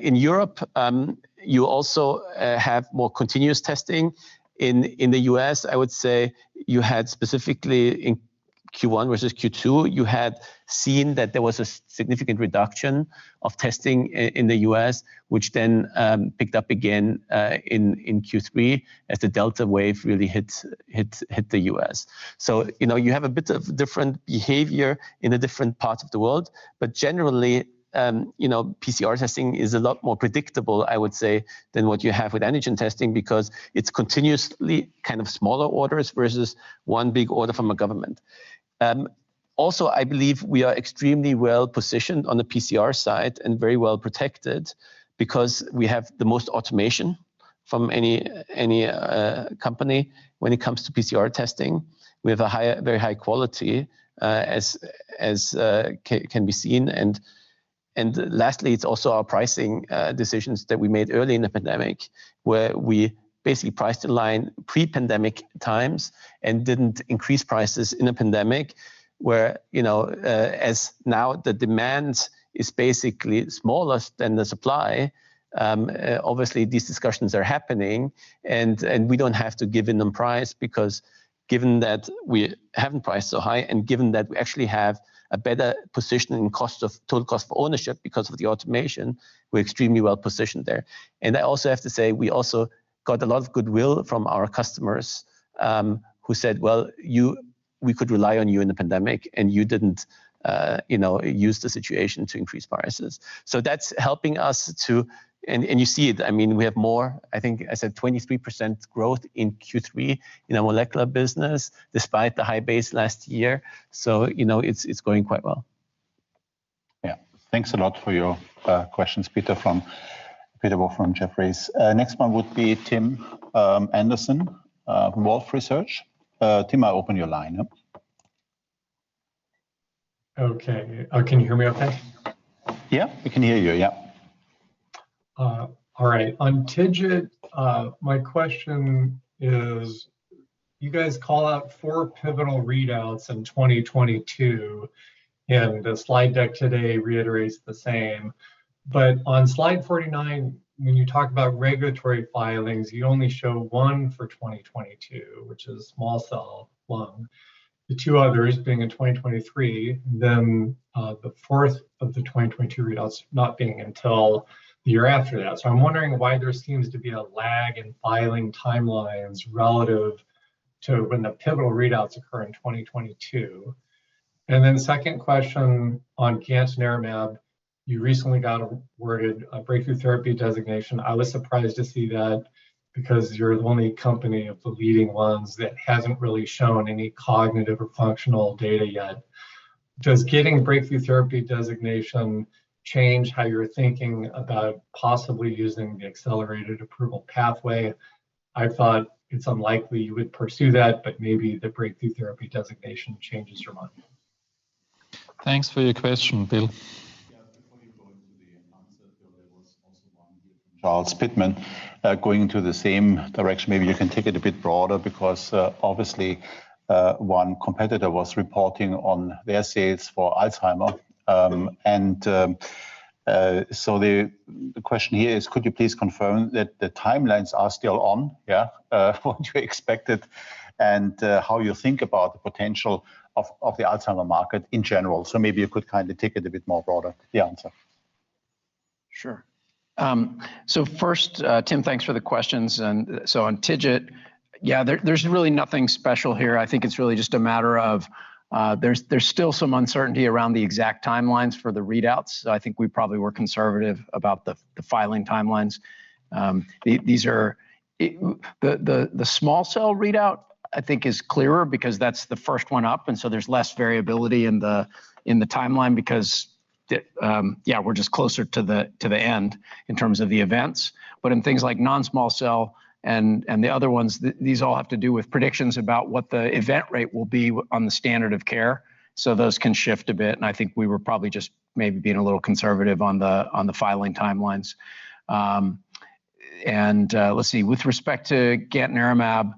In Europe, you also have more continuous testing. In the U.S., I would say you had specifically in Q1 versus Q2, you had seen that there was a significant reduction of testing in the U.S., which then picked up again in Q3 as the Delta variant really hit the U.S. You have a bit of different behavior in the different parts of the world. Generally, PCR testing is a lot more predictable, I would say, than what you have with antigen testing because it's continuously smaller orders versus one big order from a government. I believe we are extremely well-positioned on the PCR side and very well protected because we have the most automation from any company when it comes to PCR testing. We have a very high quality, as can be seen. Lastly, it's also our pricing decisions that we made early in the pandemic, where we basically priced in line pre-pandemic times and didn't increase prices in a pandemic, where as now the demand is basically smaller than the supply. Obviously these discussions are happening. We don't have to give in on price because given that we haven't priced so high, and given that we actually have a better position in total cost of ownership because of the automation, we're extremely well-positioned there. I also have to say, we also got a lot of goodwill from our customers, who said, well, we could rely on you in the pandemic, and you didn't use the situation to increase prices. That's helping us too, and you see it. We have more, I think I said, 23% growth in Q3 in our molecular business despite the high base last year. It's going quite well. Yeah. Thanks a lot for your questions, Peter from Jefferies. Next one would be Tim Anderson, Wolfe Research. Tim, I open your line up. Okay, can you hear me okay? Yeah, we can hear you, yeah. All right. On TIGIT, my question is. You guys call out four pivotal readouts in 2022. The slide deck today reiterates the same. On Slide 49, when you talk about regulatory filings, you only show one for 2022, which is small cell lung, the two others being in 2023, the fourth of the 2022 readout not being until the year after that. I'm wondering why there seems to be a lag in filing timelines relative to when the pivotal readouts occur in 2022. Second question on gantenerumab, you recently got awarded a breakthrough therapy designation. I was surprised to see that because you're the only company of the leading ones that hasn't really shown any cognitive or functional data yet. Does getting breakthrough therapy designation change how you're thinking about possibly using the accelerated approval pathway? I thought it's unlikely you would pursue that, but maybe the breakthrough therapy designation changes your mind. Thanks for your question. Bill. Before you go into the answer, Bill, there was also one here from Charles Pitman-King, going into the same direction. Maybe you can take it a bit broader because, obviously, one competitor was reporting on their sales for Alzheimer's. The question here is, could you please confirm that the timelines are still on what you expected, and how you think about the potential of the Alzheimer's market in general? Maybe you could take it a bit more broader, the answer. First, Tim, thanks for the questions. On TIGIT, yeah, there's really nothing special here. I think it's really just a matter of, there's still some uncertainty around the exact timelines for the readouts. I think we probably were conservative about the filing timelines. The small cell readout, I think is clearer because that's the first one up, there's less variability in the timeline because, yeah, we're just closer to the end in terms of the events. In things like non-small cell and the other ones, these all have to do with predictions about what the event rate will be on the standard of care, those can shift a bit, I think we were probably just maybe being a little conservative on the filing timelines. Let's see. With respect to gantenerumab,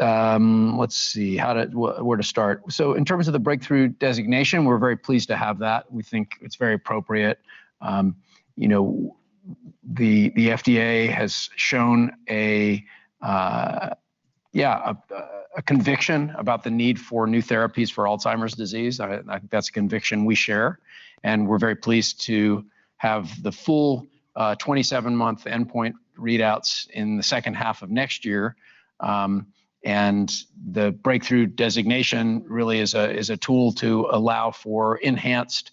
let's see. Where to start? In terms of the breakthrough designation, we're very pleased to have that. We think it's very appropriate. The FDA has shown a conviction about the need for new therapies for Alzheimer's disease. I think that's a conviction we share, and we're very pleased to have the full 27-month endpoint readouts in the second half of next year. The breakthrough designation really is a tool to allow for enhanced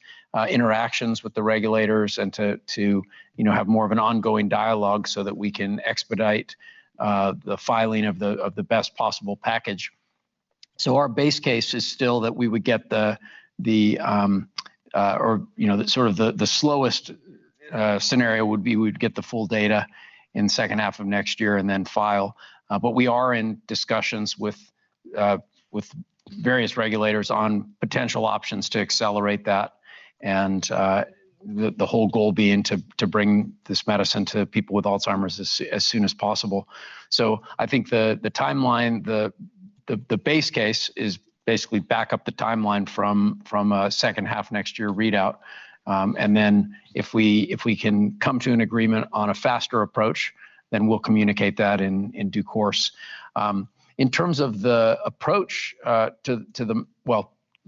interactions with the regulators and to have more of an ongoing dialogue so that we can expedite the filing of the best possible package. Our base case is still that we would get the slowest scenario would be we'd get the full data in second half of next year and then file. We are in discussions with various regulators on potential options to accelerate that and the whole goal being to bring this medicine to people with Alzheimer's as soon as possible. I think the timeline, the base case is basically back up the timeline from a second half next year readout. If we can come to an agreement on a faster approach, then we'll communicate that in due course. In terms of the approach to the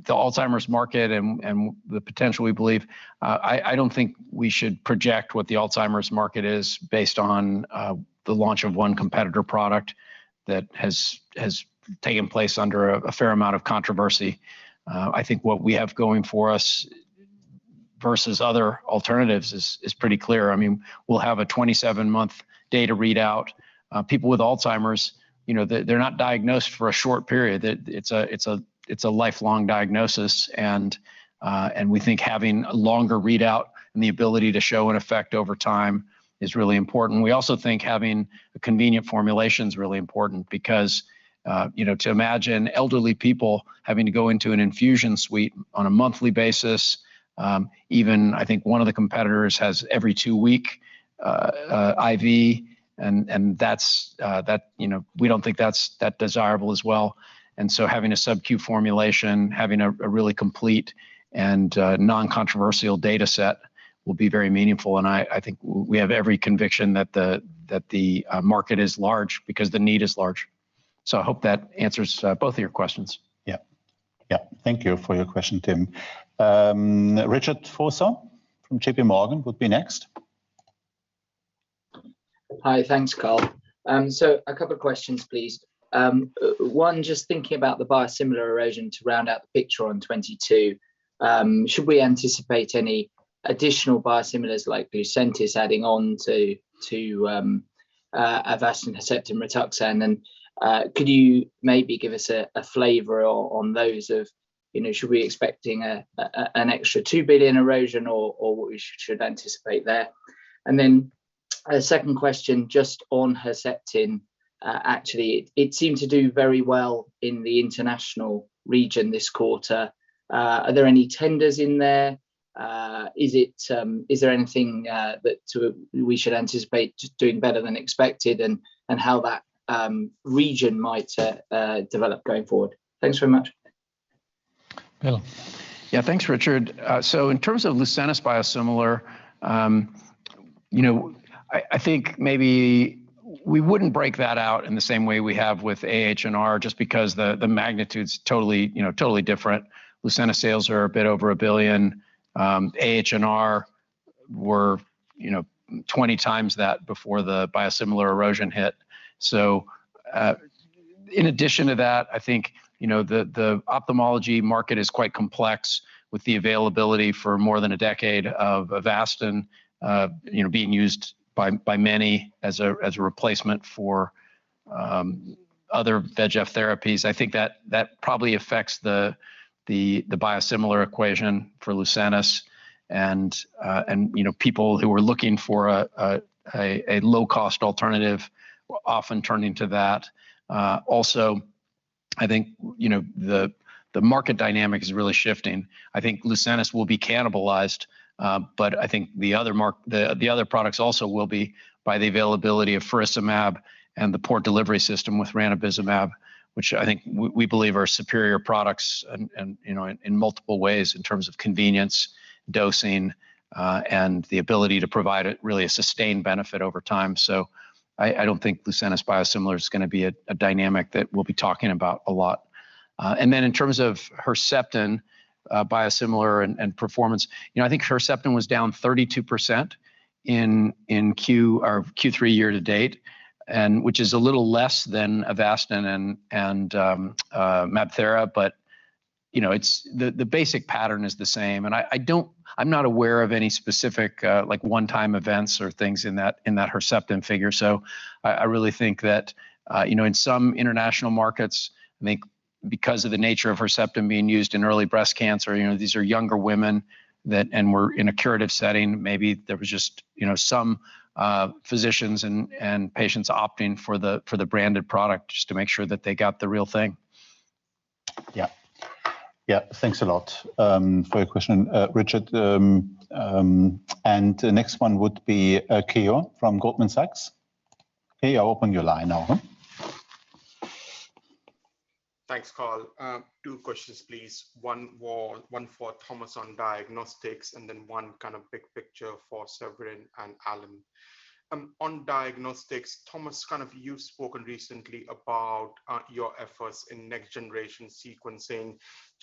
Alzheimer's market and the potential we believe, I don't think we should project what the Alzheimer's market is based on the launch of one competitor product that has taken place under a fair amount of controversy. I think what we have going for us versus other alternatives is pretty clear. We'll have a 27-month data readout. People with Alzheimer's, they're not diagnosed for a short period. It's a lifelong diagnosis and we think having a longer readout and the ability to show an effect over time is really important. We also think having a convenient formulation is really important because, to imagine elderly people having to go into an infusion suite on a monthly basis, even I think one of the competitors has every two-week IV, and we don't think that's desirable as well. Having a subQ formulation, having a really complete and non-controversial data set will be very meaningful, and I think we have every conviction that the market is large because the need is large. I hope that answers both of your questions. Yeah. Thank you for your question, Tim. Richard Vosser from JPMorgan would be next. Hi. Thanks, Karl. A couple of questions, please. One, just thinking about the biosimilar erosion to round out the picture on 2022, should we anticipate any additional biosimilars like Lucentis adding on to Avastin, Herceptin, Rituxan? Could you maybe give us a flavor on those of, should we be expecting an extra 2 billion erosion or what we should anticipate there? A second question, just on Herceptin. Actually, it seemed to do very well in the international region this quarter. Are there any tenders in there? Is there anything that we should anticipate doing better than expected, and how that region might develop going forward? Thanks very much. Alan. Yeah. Thanks, Richard. In terms of Lucentis biosimilar, I think maybe we wouldn't break that out in the same way we have with AHR just because the magnitude's totally different. Lucentis sales are a bit over 1 billion. AHR were 20x that before the biosimilar erosion hit. In addition to that, I think, the ophthalmology market is quite complex with the availability for more than a decade of Avastin being used by many as a replacement for other VEGF therapies. I think that probably affects the biosimilar equation for Lucentis and people who are looking for a low-cost alternative often turning to that. I think the market dynamic is really shifting. I think Lucentis will be cannibalized, I think the other products also will be by the availability of faricimab and the Port Delivery System with ranibizumab, which I think we believe are superior products in multiple ways in terms of convenience, dosing, and the ability to provide really a sustained benefit over time. I don't think Lucentis biosimilar is going to be a dynamic that we'll be talking about a lot. In terms of Herceptin biosimilar and performance, I think Herceptin was down 32% in Q3 year-to-date, which is a little less than Avastin and MabThera. The basic pattern is the same, and I'm not aware of any specific one-time events or things in that Herceptin figure. I really think that in some international markets, I think because of the nature of Herceptin being used in early breast cancer, these are younger women and were in a curative setting. Maybe there was just some physicians and patients opting for the branded product just to make sure that they got the real thing. Yeah. Thanks a lot for your question, Richard. The next one would be Keyur from Goldman Sachs. Keyur, I open your line now. Thanks, Karl. Two questions, please. One for Thomas on diagnostics, and then one kind of big picture for Severin and Alan. On diagnostics, Thomas, you've spoken recently about your efforts in next-generation sequencing.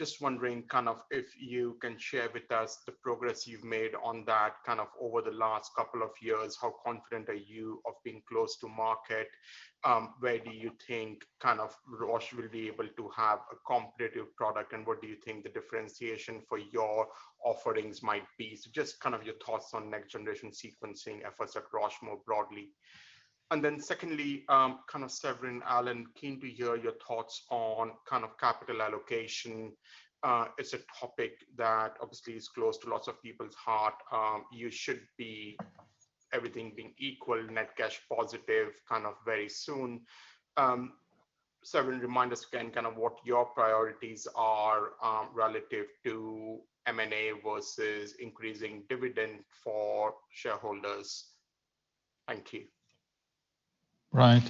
Just wondering if you can share with us the progress you've made on that over the last couple of years. How confident are you of being close to market? Where do you think Roche will be able to have a competitive product, and what do you think the differentiation for your offerings might be? Just your thoughts on next-generation sequencing efforts at Roche more broadly. Secondly, Severin, Alan, keen to hear your thoughts on capital allocation. It's a topic that obviously is close to lots of people's heart. You should be, everything being equal, net cash positive very soon. Severin, remind us again what your priorities are relative to M&A versus increasing dividend for shareholders? Thank you. Right.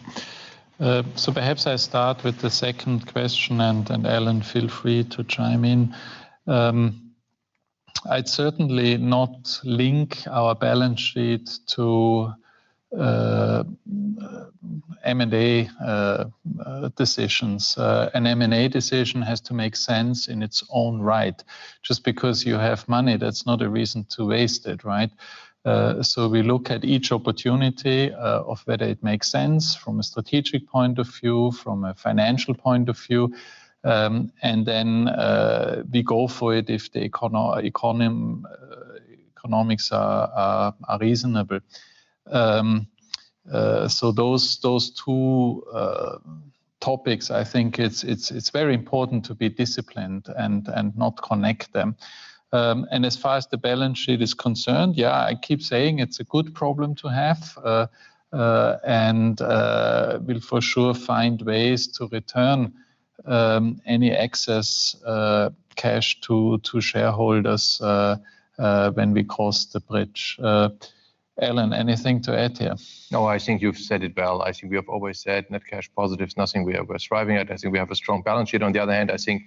Perhaps I start with the second question, and then Alan, feel free to chime in. I'd certainly not link our balance sheet to M&A decisions. An M&A decision has to make sense in its own right. Just because you have money, that's not a reason to waste it, right? We look at each opportunity of whether it makes sense from a strategic point of view, from a financial point of view, and then we go for it if the economics are reasonable. Those two topics, I think it's very important to be disciplined and not connect them. As far as the balance sheet is concerned, yeah, I keep saying it's a good problem to have, and we'll for sure find ways to return any excess cash to shareholders when we cross the bridge. Alan, anything to add here? I think you've said it well. I think we have always said net cash positive is nothing we are striving at. I think we have a strong balance sheet. On the other hand, I think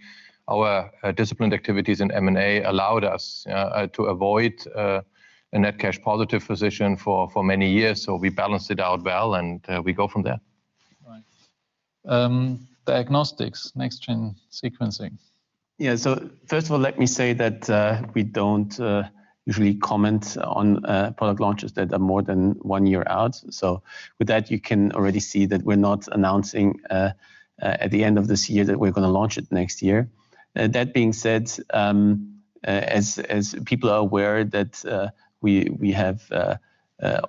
our disciplined activities in M&A allowed us to avoid a net cash positive position for many years. We balanced it out well, and we go from there. Right. Diagnostics, next-gen sequencing. Yeah. First of all, let me say that we don't usually comment on product launches that are more than one year out. With that, you can already see that we're not announcing at the end of this year that we're going to launch it next year. That being said, as people are aware that we have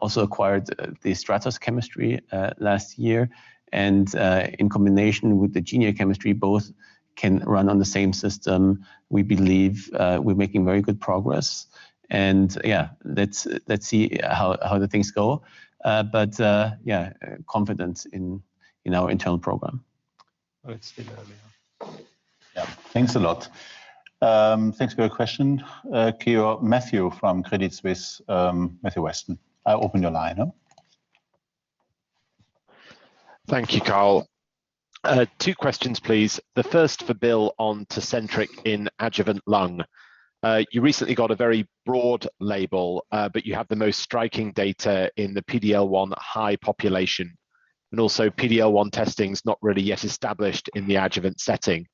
also acquired the Stratos chemistry last year, and in combination with the Genia chemistry, both can run on the same system. We believe we're making very good progress. Yeah, let's see how the things go. Yeah, confident in our internal program. All right. Yeah. Thanks a lot. Thanks for your question. Cue up Matthew from Credit Suisse, Matthew Weston. I open your line now. Thank you, Karl. Two questions, please. The first for Bill on TECENTRIQ in adjuvant lung. You recently got a very broad label, but you have the most striking data in the PD-L1 high population, and also PD-L1 testing's not really yet established in the adjuvant setting.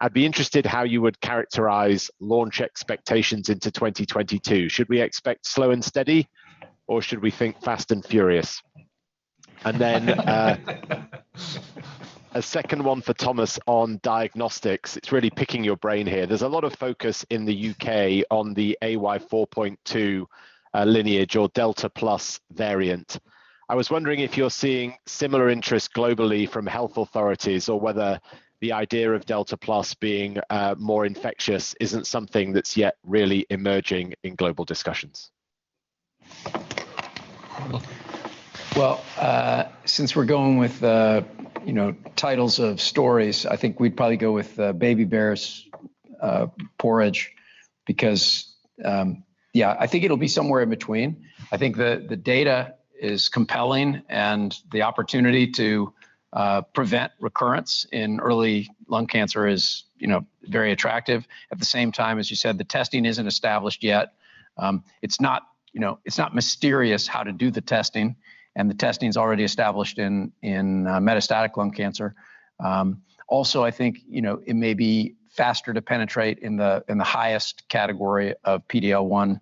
I'd be interested how you would characterize launch expectations into 2022. Should we expect slow and steady, or should we think fast and furious? A second one for Thomas on diagnostics. It's really picking your brain here. There's a lot of focus in the U.K. on the AY.4.2 lineage or Delta plus variant. I was wondering if you're seeing similar interest globally from health authorities, or whether the idea of Delta plus being more infectious isn't something that's yet really emerging in global discussions. Well, since we're going with titles of stories, I think we'd probably go with Baby Bear's Porridge because I think it'll be somewhere in between. I think the data is compelling, and the opportunity to prevent recurrence in early lung cancer is very attractive. At the same time, as you said, the testing isn't established yet. It's not mysterious how to do the testing, and the testing's already established in metastatic lung cancer. Also, I think, it may be faster to penetrate in the highest category of PD-L1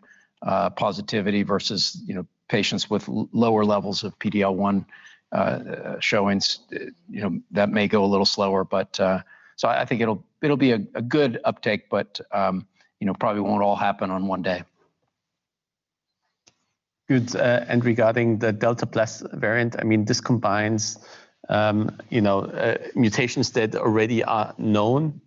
positivity versus patients with lower levels of PD-L1 showings. That may go a little slower. I think it'll be a good uptake, but probably won't all happen on one day. Good. Regarding the Delta plus variant, this combines mutations that already are known.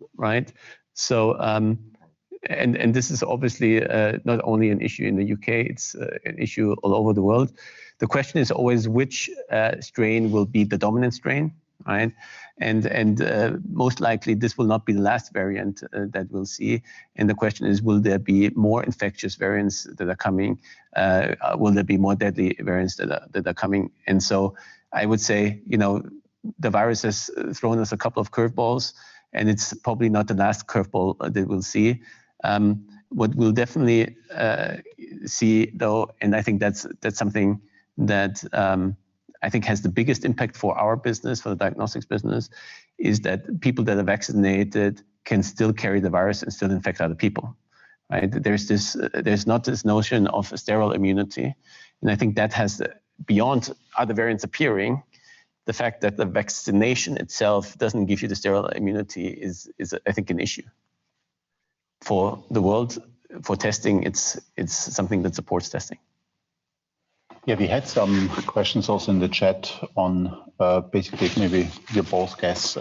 This is obviously not only an issue in the U.K., it's an issue all over the world. The question is always which strain will be the dominant strain. Most likely, this will not be the last variant that we'll see. The question is, will there be more infectious variants that are coming? Will there be more deadly variants that are coming? I would say, the virus has thrown us a couple of curveballs, and it's probably not the last curveball that we'll see. What we'll definitely see, though, and I think that's something that I think has the biggest impact for our business, for the diagnostics business, is that people that are vaccinated can still carry the virus and still infect other people. There's not this notion of a sterile immunity. I think that has, beyond other variants appearing, the fact that the vaccination itself doesn't give you the sterile immunity is I think an issue for the world. For testing, it's something that supports testing. Yeah, we had some questions also in the chat on, basically maybe your both guess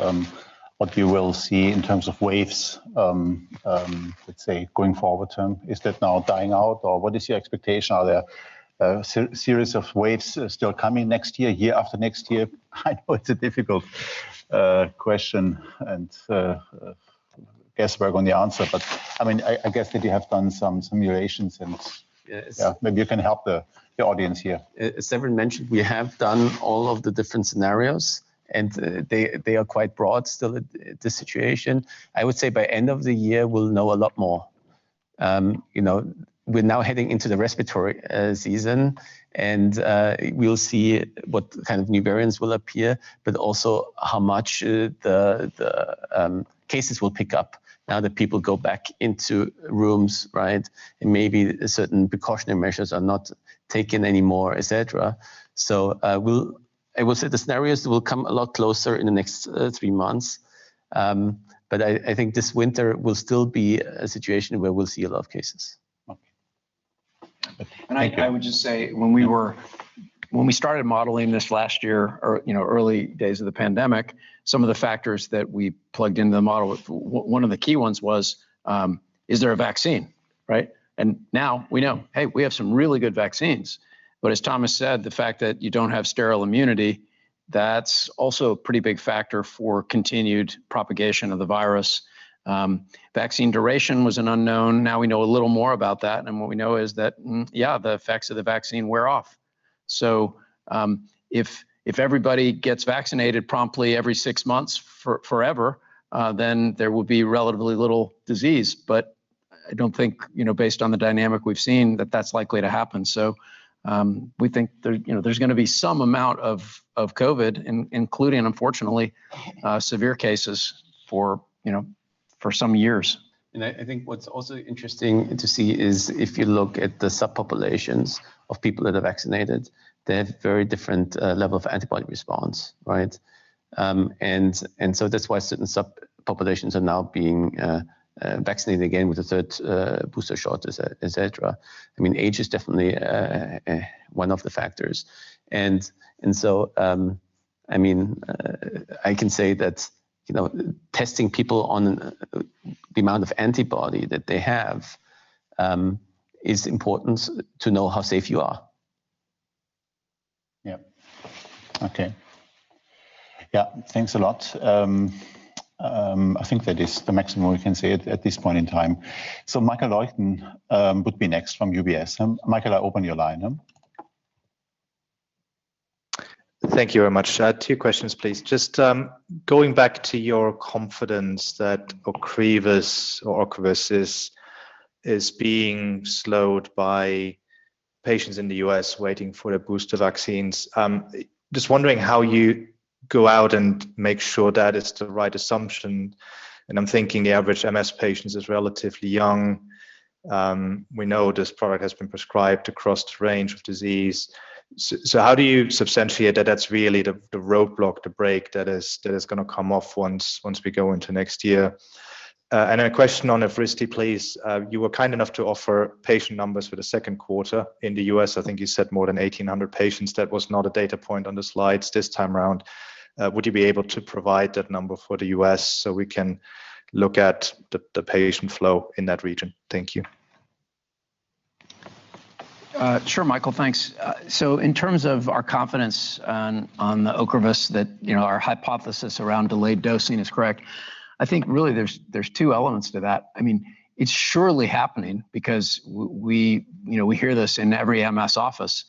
what we will see in terms of waves, let's say going forward. Is that now dying out, or what is your expectation? Are there a series of waves still coming next year after next year? I know it's a difficult question, and a guesswork on the answer, but I guess that you have done some simulations, and- Yes... maybe you can help the audience here. As Severin mentioned, we have done all of the different scenarios, and they are quite broad still at this situation. I would say by end of the year, we'll know a lot more. We're now heading into the respiratory season, and we'll see what kind of new variants will appear, but also how much the cases will pick up now that people go back into rooms. Maybe certain precautionary measures are not taken anymore, et cetera. I will say the scenarios will come a lot closer in the next three months. I think this winter will still be a situation where we'll see a lot of cases. Okay. I would just say when we started modeling this last year, or early days of the pandemic, some of the factors that we plugged into the model, one of the key ones was, is there a vaccine? Now we know, hey, we have some really good vaccines, but as Thomas said, the fact that you don't have sterile immunity, that's also a pretty big factor for continued propagation of the virus. Vaccine duration was an unknown. Now we know a little more about that, and what we know is that, yeah, the effects of the vaccine wear off. If everybody gets vaccinated promptly every six months for forever, then there will be relatively little disease. I don't think, based on the dynamic we've seen, that that's likely to happen. We think there's going to be some amount of COVID in including, unfortunately, severe cases for some years. I think what's also interesting to see is if you look at the subpopulations of people that are vaccinated, they have very different level of antibody response. That's why certain subpopulations are now being vaccinated again with a third booster shot, et cetera. Age is definitely one of the factors. I can say that testing people on the amount of antibody that they have is important to know how safe you are. Yeah. Okay. Yeah, thanks a lot. I think that is the maximum we can say at this point in time. Michael Leuchten would be next from UBS. Michael, I open your line. Thank you very much. Two questions, please. Just going back to your confidence that OCREVUS is being slowed by patients in the U.S. waiting for their booster vaccines. Just wondering how you go out and make sure that it's the right assumption, and I'm thinking the average MS patient is relatively young. We know this product has been prescribed across a range of disease. How do you substantiate that that's really the roadblock, the break, that is going to come off once we go into next year? A question on Evrysdi, please. You were kind enough to offer patient numbers for the second quater in the U.S. I think you said more than 1,800 patients. That was not a data point on the slides this time around. Would you be able to provide that number for the U.S. so we can look at the patient flow in that region? Thank you. Sure, Michael, thanks. In terms of our confidence on the OCREVUS that our hypothesis around delayed dosing is correct, I think really there's 2 elements to that. It's surely happening because we hear this in every MS office.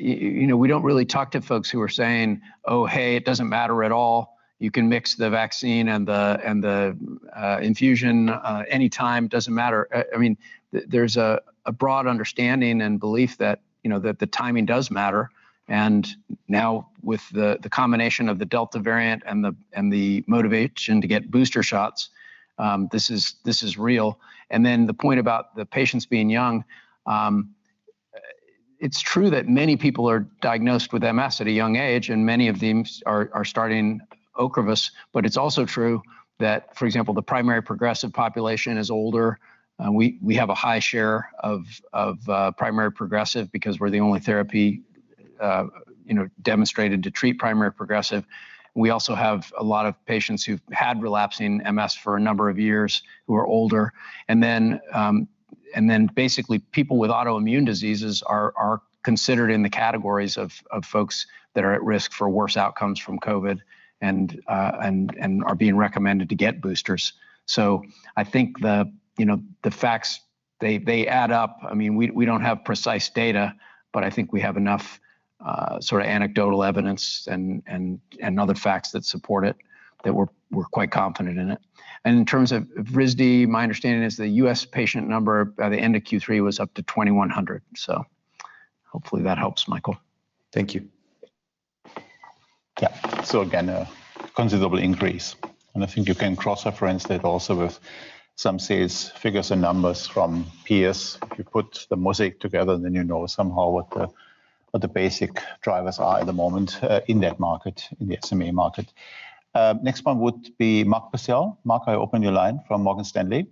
We don't really talk to folks who are saying, oh, hey, it doesn't matter at all. You can mix the vaccine and the infusion anytime, doesn't matter. There's a broad understanding and belief that the timing does matter, and now with the combination of the Delta variant and the motivation to get booster shots, this is real. The point about the patients being young, it's true that many people are diagnosed with MS at a young age, and many of them are starting OCREVUS, but it's also true that, for example, the primary progressive population is older. We have a high share of primary progressive because we're the only therapy demonstrated to treat primary progressive. We also have a lot of patients who've had relapsing MS for a number of years who are older. Basically, people with autoimmune diseases are considered in the categories of folks that are at risk for worse outcomes from COVID and are being recommended to get boosters. I think the facts, they add up. We don't have precise data, but I think we have enough anecdotal evidence and other facts that support it, that we're quite confident in it. In terms of Evrysdi, my understanding is the U.S. patient number by the end of Q3 was up to 2,100. Hopefully that helps, Michael. Thank you. Yeah. Again, a considerable increase, and I think you can cross-reference that also with some sales figures and numbers from peers. If you put the mosaic together, then you know somehow what the basic drivers are at the moment in that market, in the SMA market. Next one would be Mark Purcell. Mark, I open your line from Morgan Stanley.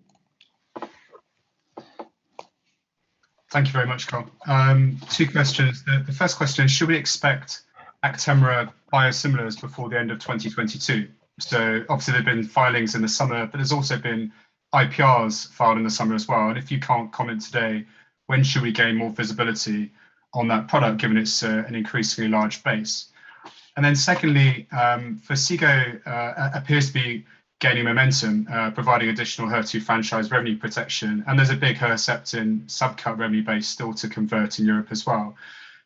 Thank you very much, Karl. Two questions. The first question is, should we expect Actemra biosimilars before the end of 2022? Obviously there've been filings in the summer, but there's also been IPRs filed in the summer as well. If you can't comment today, when should we gain more visibility on that product, given its an increasingly large base? Secondly, Phesgo appears to be gaining momentum, providing additional HER2 franchise revenue protection, and there's a big Herceptin subcut revenue base still to convert in Europe as well.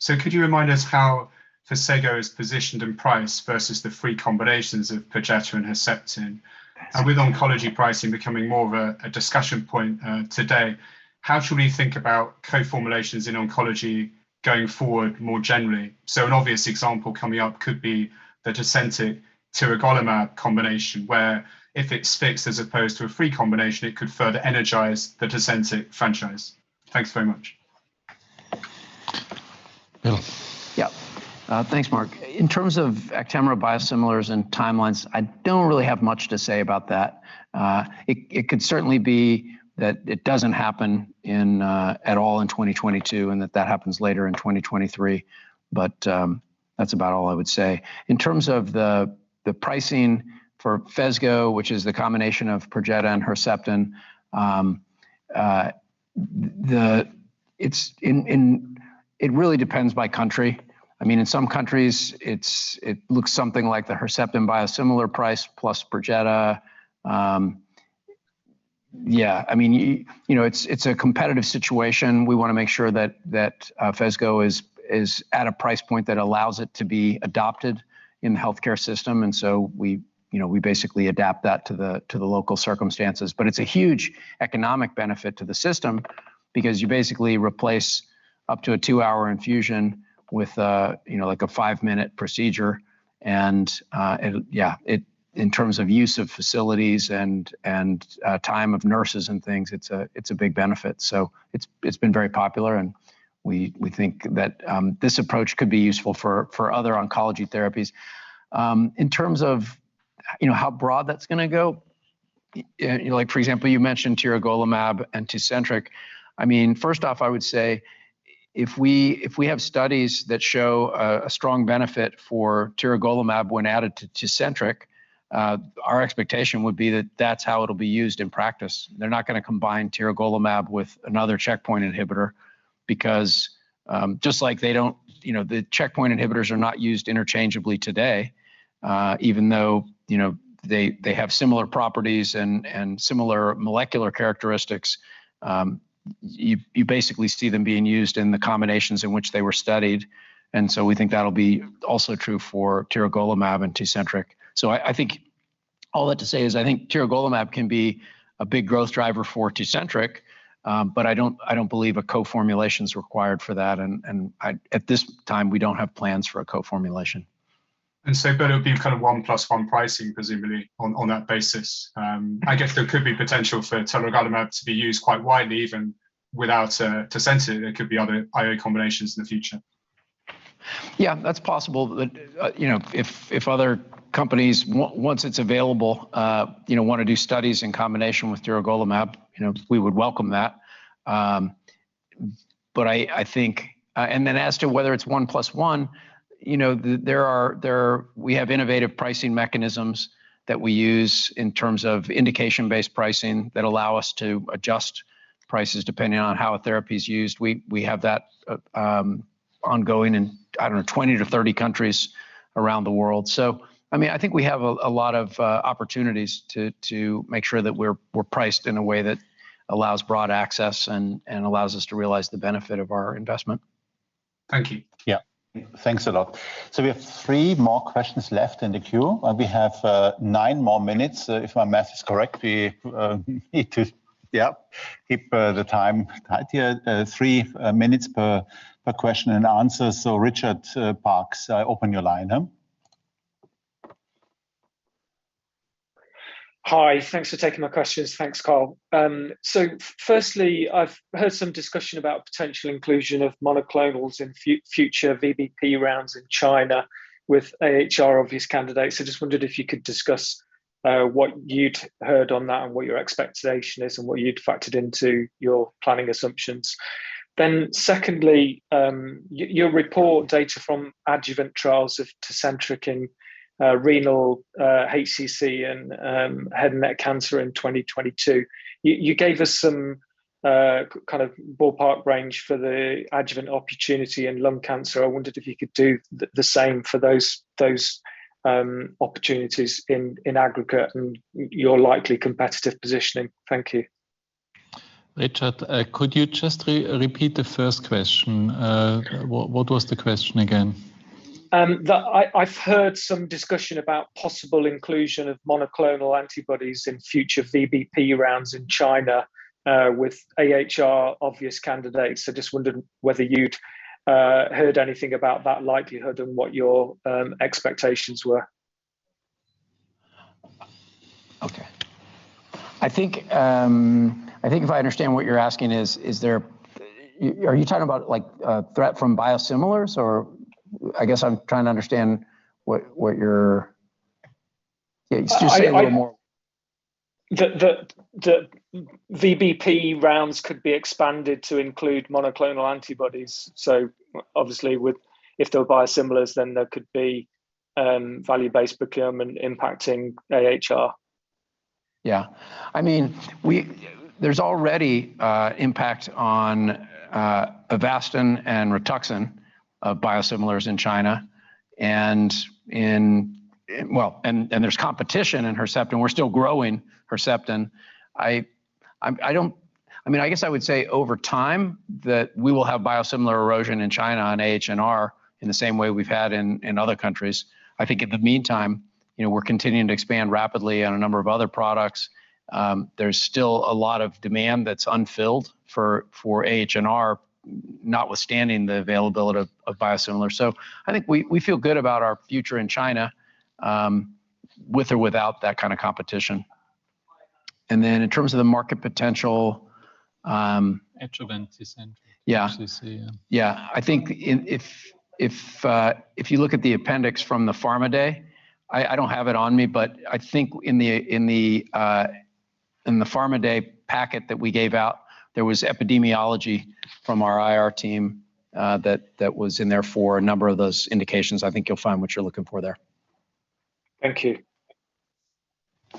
Could you remind us how Phesgo is positioned in price versus the three combinations of Perjeta and Herceptin? With oncology pricing becoming more of a discussion point today, how should we think about co-formulations in oncology going forward more generally? An obvious example coming up could be the Tecentriq tiragolumab combination, where if it's fixed as opposed to a free combination, it could further energize the Tecentriq franchise. Thanks very much. Bill. Yeah. Thanks, Mark. In terms of Actemra biosimilars and timelines, I don't really have much to say about that. It could certainly be that it doesn't happen at all in 2022, and that that happens later in 2023. That's about all I would say. In terms of the pricing for Phesgo, which is the combination of Perjeta and Herceptin, it really depends by country. In some countries, it looks something like the Herceptin biosimilar price plus Perjeta. Yeah. It's a competitive situation. We want to make sure that Phesgo is at a price point that allows it to be adopted in the healthcare system, and so we basically adapt that to the local circumstances. It's a huge economic benefit to the system because you basically replace up to a two-hour infusion with a five-minute procedure, and in terms of use of facilities and time of nurses and things, it's a big benefit. It's been very popular, and we think that this approach could be useful for other oncology therapies. In terms of how broad that's going to go, for example, you mentioned tiragolumab and Tecentriq. First off, I would say if we have studies that show a strong benefit for tiragolumab when added to Tecentriq, our expectation would be that that's how it'll be used in practice. They're not going to combine tiragolumab with another checkpoint inhibitor. Just like the checkpoint inhibitors are not used interchangeably today, even though they have similar properties and similar molecular characteristics, you basically see them being used in the combinations in which they were studied. We think that'll be also true for tiragolumab and Tecentriq. I think all that to say is I think tiragolumab can be a big growth driver for Tecentriq, but I don't believe a co-formulation's required for that. At this time, we don't have plans for a co-formulation. It would be one plus one pricing presumably on that basis. I guess there could be potential for tiragolumab to be used quite widely even without TECENTRIQ. There could be other IO combinations in the future. Yeah. That's possible. If other companies, once it's available, want to do studies in combination with tiragolumab, we would welcome that. As to whether it's one plus one, we have innovative pricing mechanisms that we use in terms of indication-based pricing that allow us to adjust prices depending on how a therapy's used. We have that ongoing in, I don't know, 20 to 30 countries around the world. I think we have a lot of opportunities to make sure that we're priced in a way that allows broad access and allows us to realize the benefit of our investment. Thank you. Yeah. Thanks a lot. We have three more questions left in the queue, and we have nine more minutes. If my math is correct, we need to keep the time tight here. Three minutes per question and answer. Richard Parkes, I open your line now. Hi. Thanks for taking my questions. Thanks, Karl. Firstly, I've heard some discussion about potential inclusion of monoclonals in future VBP rounds in China with AHR-obvious candidates. I just wondered if you could discuss what you'd heard on that and what your expectation is and what you'd factored into your planning assumptions. Secondly, you report data from adjuvant trials of TECENTRIQ in renal HCC and head-neck cancer in 2022. You gave us some kind of ballpark range for the adjuvant opportunity in lung cancer. I wondered if you could do the same for those opportunities in aggregate and your likely competitive positioning. Thank you. Richard, could you just repeat the first question? What was the question again? That I've heard some discussion about possible inclusion of monoclonal antibodies in future VBP rounds in China, with AHR-obvious candidates. I just wondered whether you'd heard anything about that likelihood and what your expectations were. Okay. I think if I understand what you're asking is, are you talking about a threat from biosimilars, or I guess I'm trying to understand what you're- Yeah. Just say a little more. The VBP rounds could be expanded to include monoclonal antibodies. Obviously, if there were biosimilars, then there could be value-based procurement impacting AHR. Yeah. There's already impact on Avastin and Rituxan of biosimilars in China, and there's competition in Herceptin. We're still growing Herceptin. I guess I would say over time that we will have biosimilar erosion in China on AHR in the same way we've had in other countries. I think in the meantime, we're continuing to expand rapidly on a number of other products. There's still a lot of demand that's unfilled for AHR, notwithstanding the availability of biosimilar. I think we feel good about our future in China, with or without that kind of competition. Then in terms of market potential- Adjuvant TECENTRIQ Yeah HCC. Yeah. I think if you look at the appendix from the Pharma Day, I don't have it on me, but I think in the Pharma Day packet that we gave out, there was epidemiology from our IR team that was in there for a number of those indications. I think you'll find what you're looking for there. Thank you.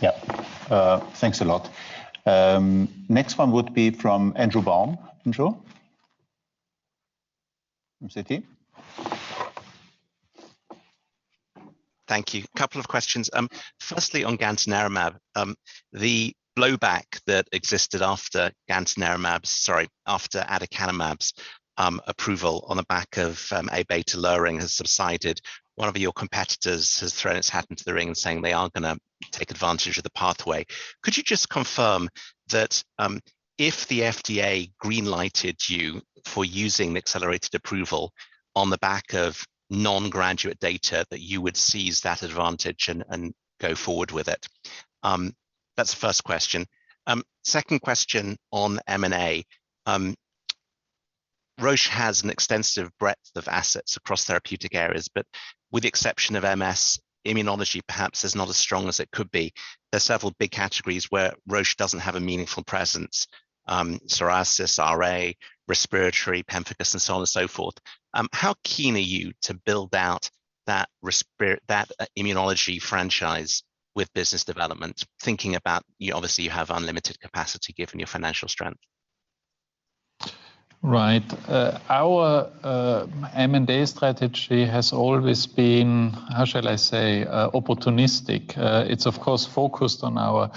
Yeah. Thanks a lot. Next one would be from Andrew Baum. Andrew. From Citi. Thank you. Couple of questions. Firstly, on gantenerumab. The blowback that existed after aducanumab's approval on the back of A-beta lowering has subsided. One of your competitors has thrown its hat into the ring in saying they are going to take advantage of the pathway. Could you just confirm that if the FDA green-lighted you for using accelerated approval on the back of non-graduate data, that you would seize that advantage and go forward with it? That's the first question. Second question on M&A. Roche has an extensive breadth of assets across therapeutic areas, but with the exception of MS, immunology perhaps is not as strong as it could be. There's several big categories where Roche doesn't have a meaningful presence. Psoriasis, RA, respiratory, pemphigus, and so on and so forth. How keen are you to build out that immunology franchise with business development? Thinking about, obviously you have unlimited capacity given your financial strength. Right. Our M&A strategy has always been, how shall I say, opportunistic. It is of course focused on our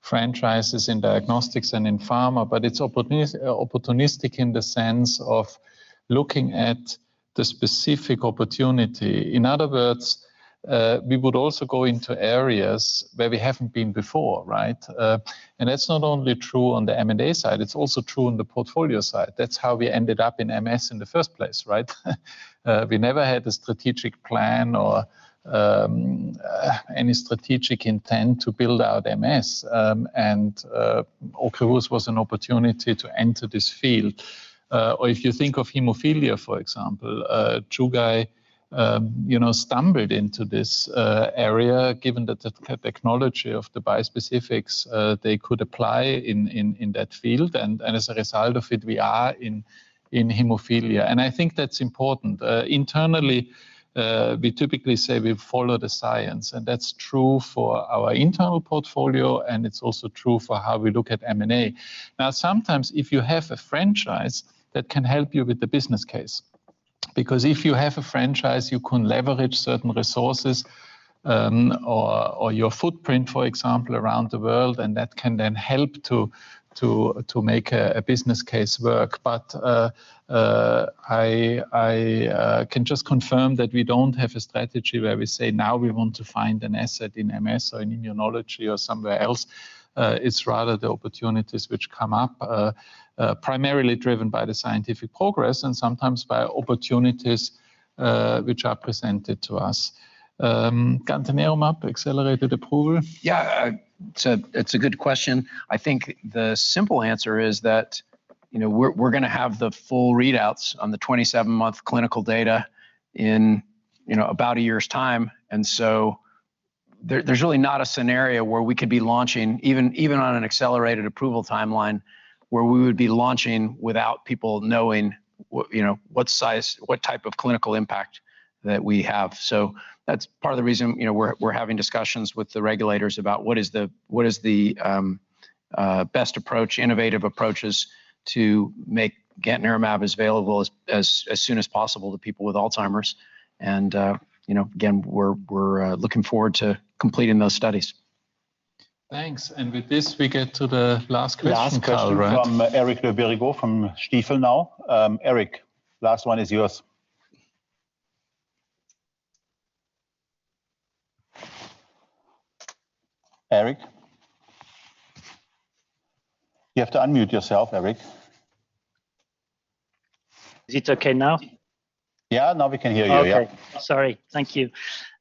franchises in diagnostics and in pharma, but it is opportunistic in the sense of looking at the specific opportunity. In other words, we would also go into areas where we haven't been before, right? That's not only true on the M&A side, it's also true on the portfolio side. That's how we ended up in MS in the first place, right? We never had a strategic plan or any strategic intent to build out MS and OCREVUS was an opportunity to enter this field. If you think of hemophilia, for example, Chugai stumbled into this area given the technology of the bispecifics they could apply in that field. As a result of it, we are in hemophilia. I think that's important. Internally, we typically say we follow the science. That's true for our internal portfolio. It's also true for how we look at M&A. Sometimes if you have a franchise, that can help you with the business case, because if you have a franchise, you can leverage certain resources or your footprint, for example, around the world. That can then help to make a business case work. I can just confirm that we don't have a strategy where we say, now we want to find an asset in MS or in immunology or somewhere else. It's rather the opportunities which come up, primarily driven by the scientific progress and sometimes by opportunities which are presented to us. Gantenerumab accelerated approval? Yeah. It's a good question. I think the simple answer is that we're going to have the full readouts on the 27-month clinical data in about a year's time, there's really not a scenario where we could be launching, even on an accelerated approval timeline, where we would be launching without people knowing what type of clinical impact that we have. That's part of the reason we're having discussions with the regulators about what is the best approach, innovative approaches to make gantenerumab available as soon as possible to people with Alzheimer's. Again, we're looking forward to completing those studies. Thanks. With this, we get to the last question, Karl, right? Last question from Eric Le Berrigaud from Stifel now. Eric, last one is yours. Eric? You have to unmute yourself, Eric. Is it okay now? Yeah. Now we can hear you. Yeah. Okay. Sorry. Thank you.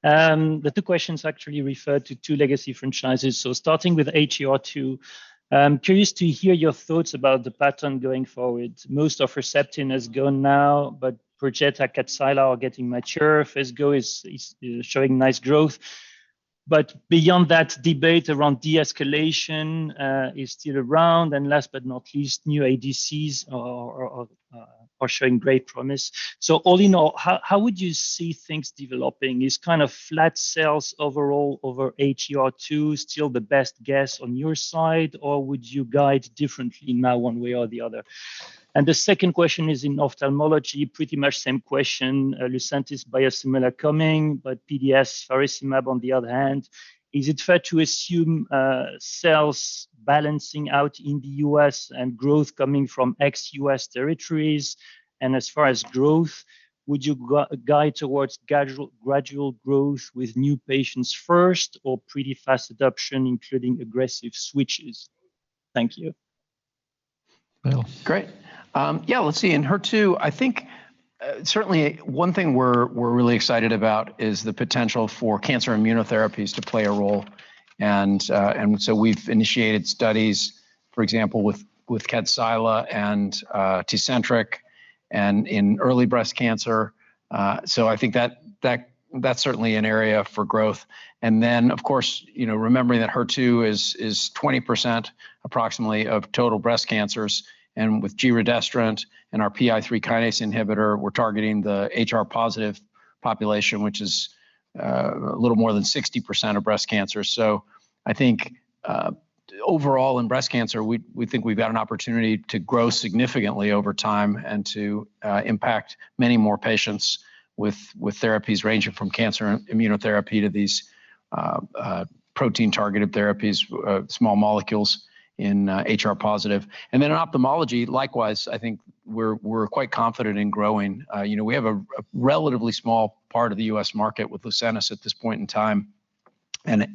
The two questions actually refer to two legacy franchises. Starting with HER2, curious to hear your thoughts about the pattern going forward. Most of Herceptin is gone now, Perjeta, Kadcyla are getting mature. Phesgo is showing nice growth. Beyond that debate around deescalation is still around, and last but not least, new ADCs are showing great promise. All in all, how would you see things developing? Is kind of flat sales overall over HER2 still the best guess on your side, or would you guide differently now one way or the other? The second question is in ophthalmology, pretty much same question. Lucentis biosimilar coming, PDS faricimab on the other hand. Is it fair to assume sales balancing out in the U.S. and growth coming from ex-U.S. territories? As far as growth, would you guide towards gradual growth with new patients first or pretty fast adoption, including aggressive switches? Thank you. Bill. Great. Yeah, let's see. In HER2, I think certainly one thing we're really excited about is the potential for cancer immunotherapies to play a role. We've initiated studies, for example, with Kadcyla and TECENTRIQ in early breast cancer. I think that's certainly an area for growth. Of course, remembering that HER2 is 20% approximately of total breast cancers, with giredestrant and our PI3K inhibitor, we're targeting the HR-positive population, which is a little more than 60% of breast cancer. I think overall in breast cancer, we think we've got an opportunity to grow significantly over time and to impact many more patients with therapies ranging from cancer immunotherapy to these protein-targeted therapies, small molecules in HR-positive. In ophthalmology, likewise, I think we're quite confident in growing. We have a relatively small part of the U.S. market with Lucentis at this point in time.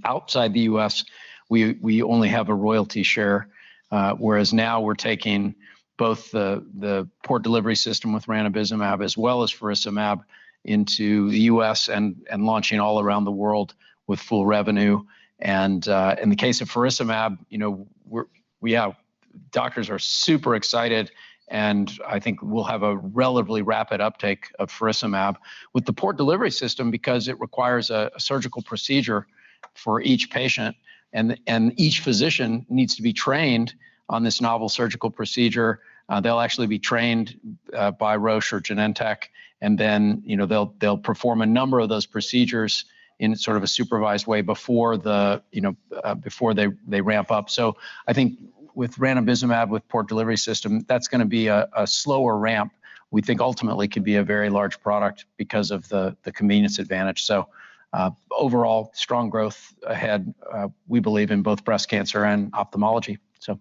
Outside the U.S., we only have a royalty share, whereas now we're taking both the Port Delivery System with ranibizumab as well as faricimab into the U.S. and launching all around the world with full revenue. In the case of faricimab, doctors are super excited, and I think we'll have a relatively rapid uptake of faricimab. With the Port Delivery System, because it requires a surgical procedure for each patient, and each physician needs to be trained on this novel surgical procedure, they'll actually be trained by Roche or Genentech, and then they'll perform a number of those procedures in sort of a supervised way before they ramp up. I think with ranibizumab with Port Delivery System, that's going to be a slower ramp. We think ultimately could be a very large product because of the convenience advantage. Overall, strong growth ahead, we believe in both breast cancer and ophthalmology.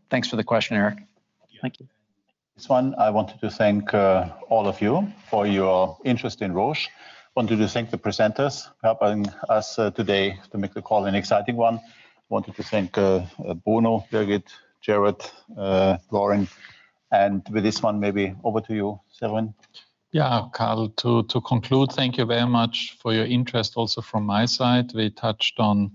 Thanks for the question, Eric. Thank you. This one I wanted to thank all of you for your interest in Roche. I wanted to thank the presenters helping us today to make the call an exciting one. I wanted to thank Bruno, Birgit, Jared, Lauren. With this one, maybe over to you, Severin. Yeah, Karl, to conclude, thank you very much for your interest also from my side. We touched on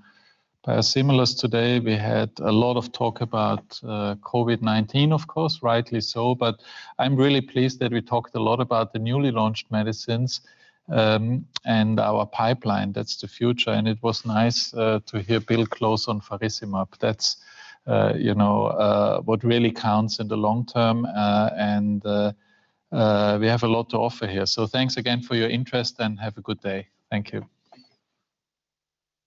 biosimilars today. We had a lot of talk about COVID-19, of course, rightly so, but I'm really pleased that we talked a lot about the newly launched medicines, and our pipeline. That's the future, and it was nice to hear Bill close on faricimab. That's what really counts in the long term, and we have a lot to offer here. Thanks again for your interest, and have a good day. Thank you.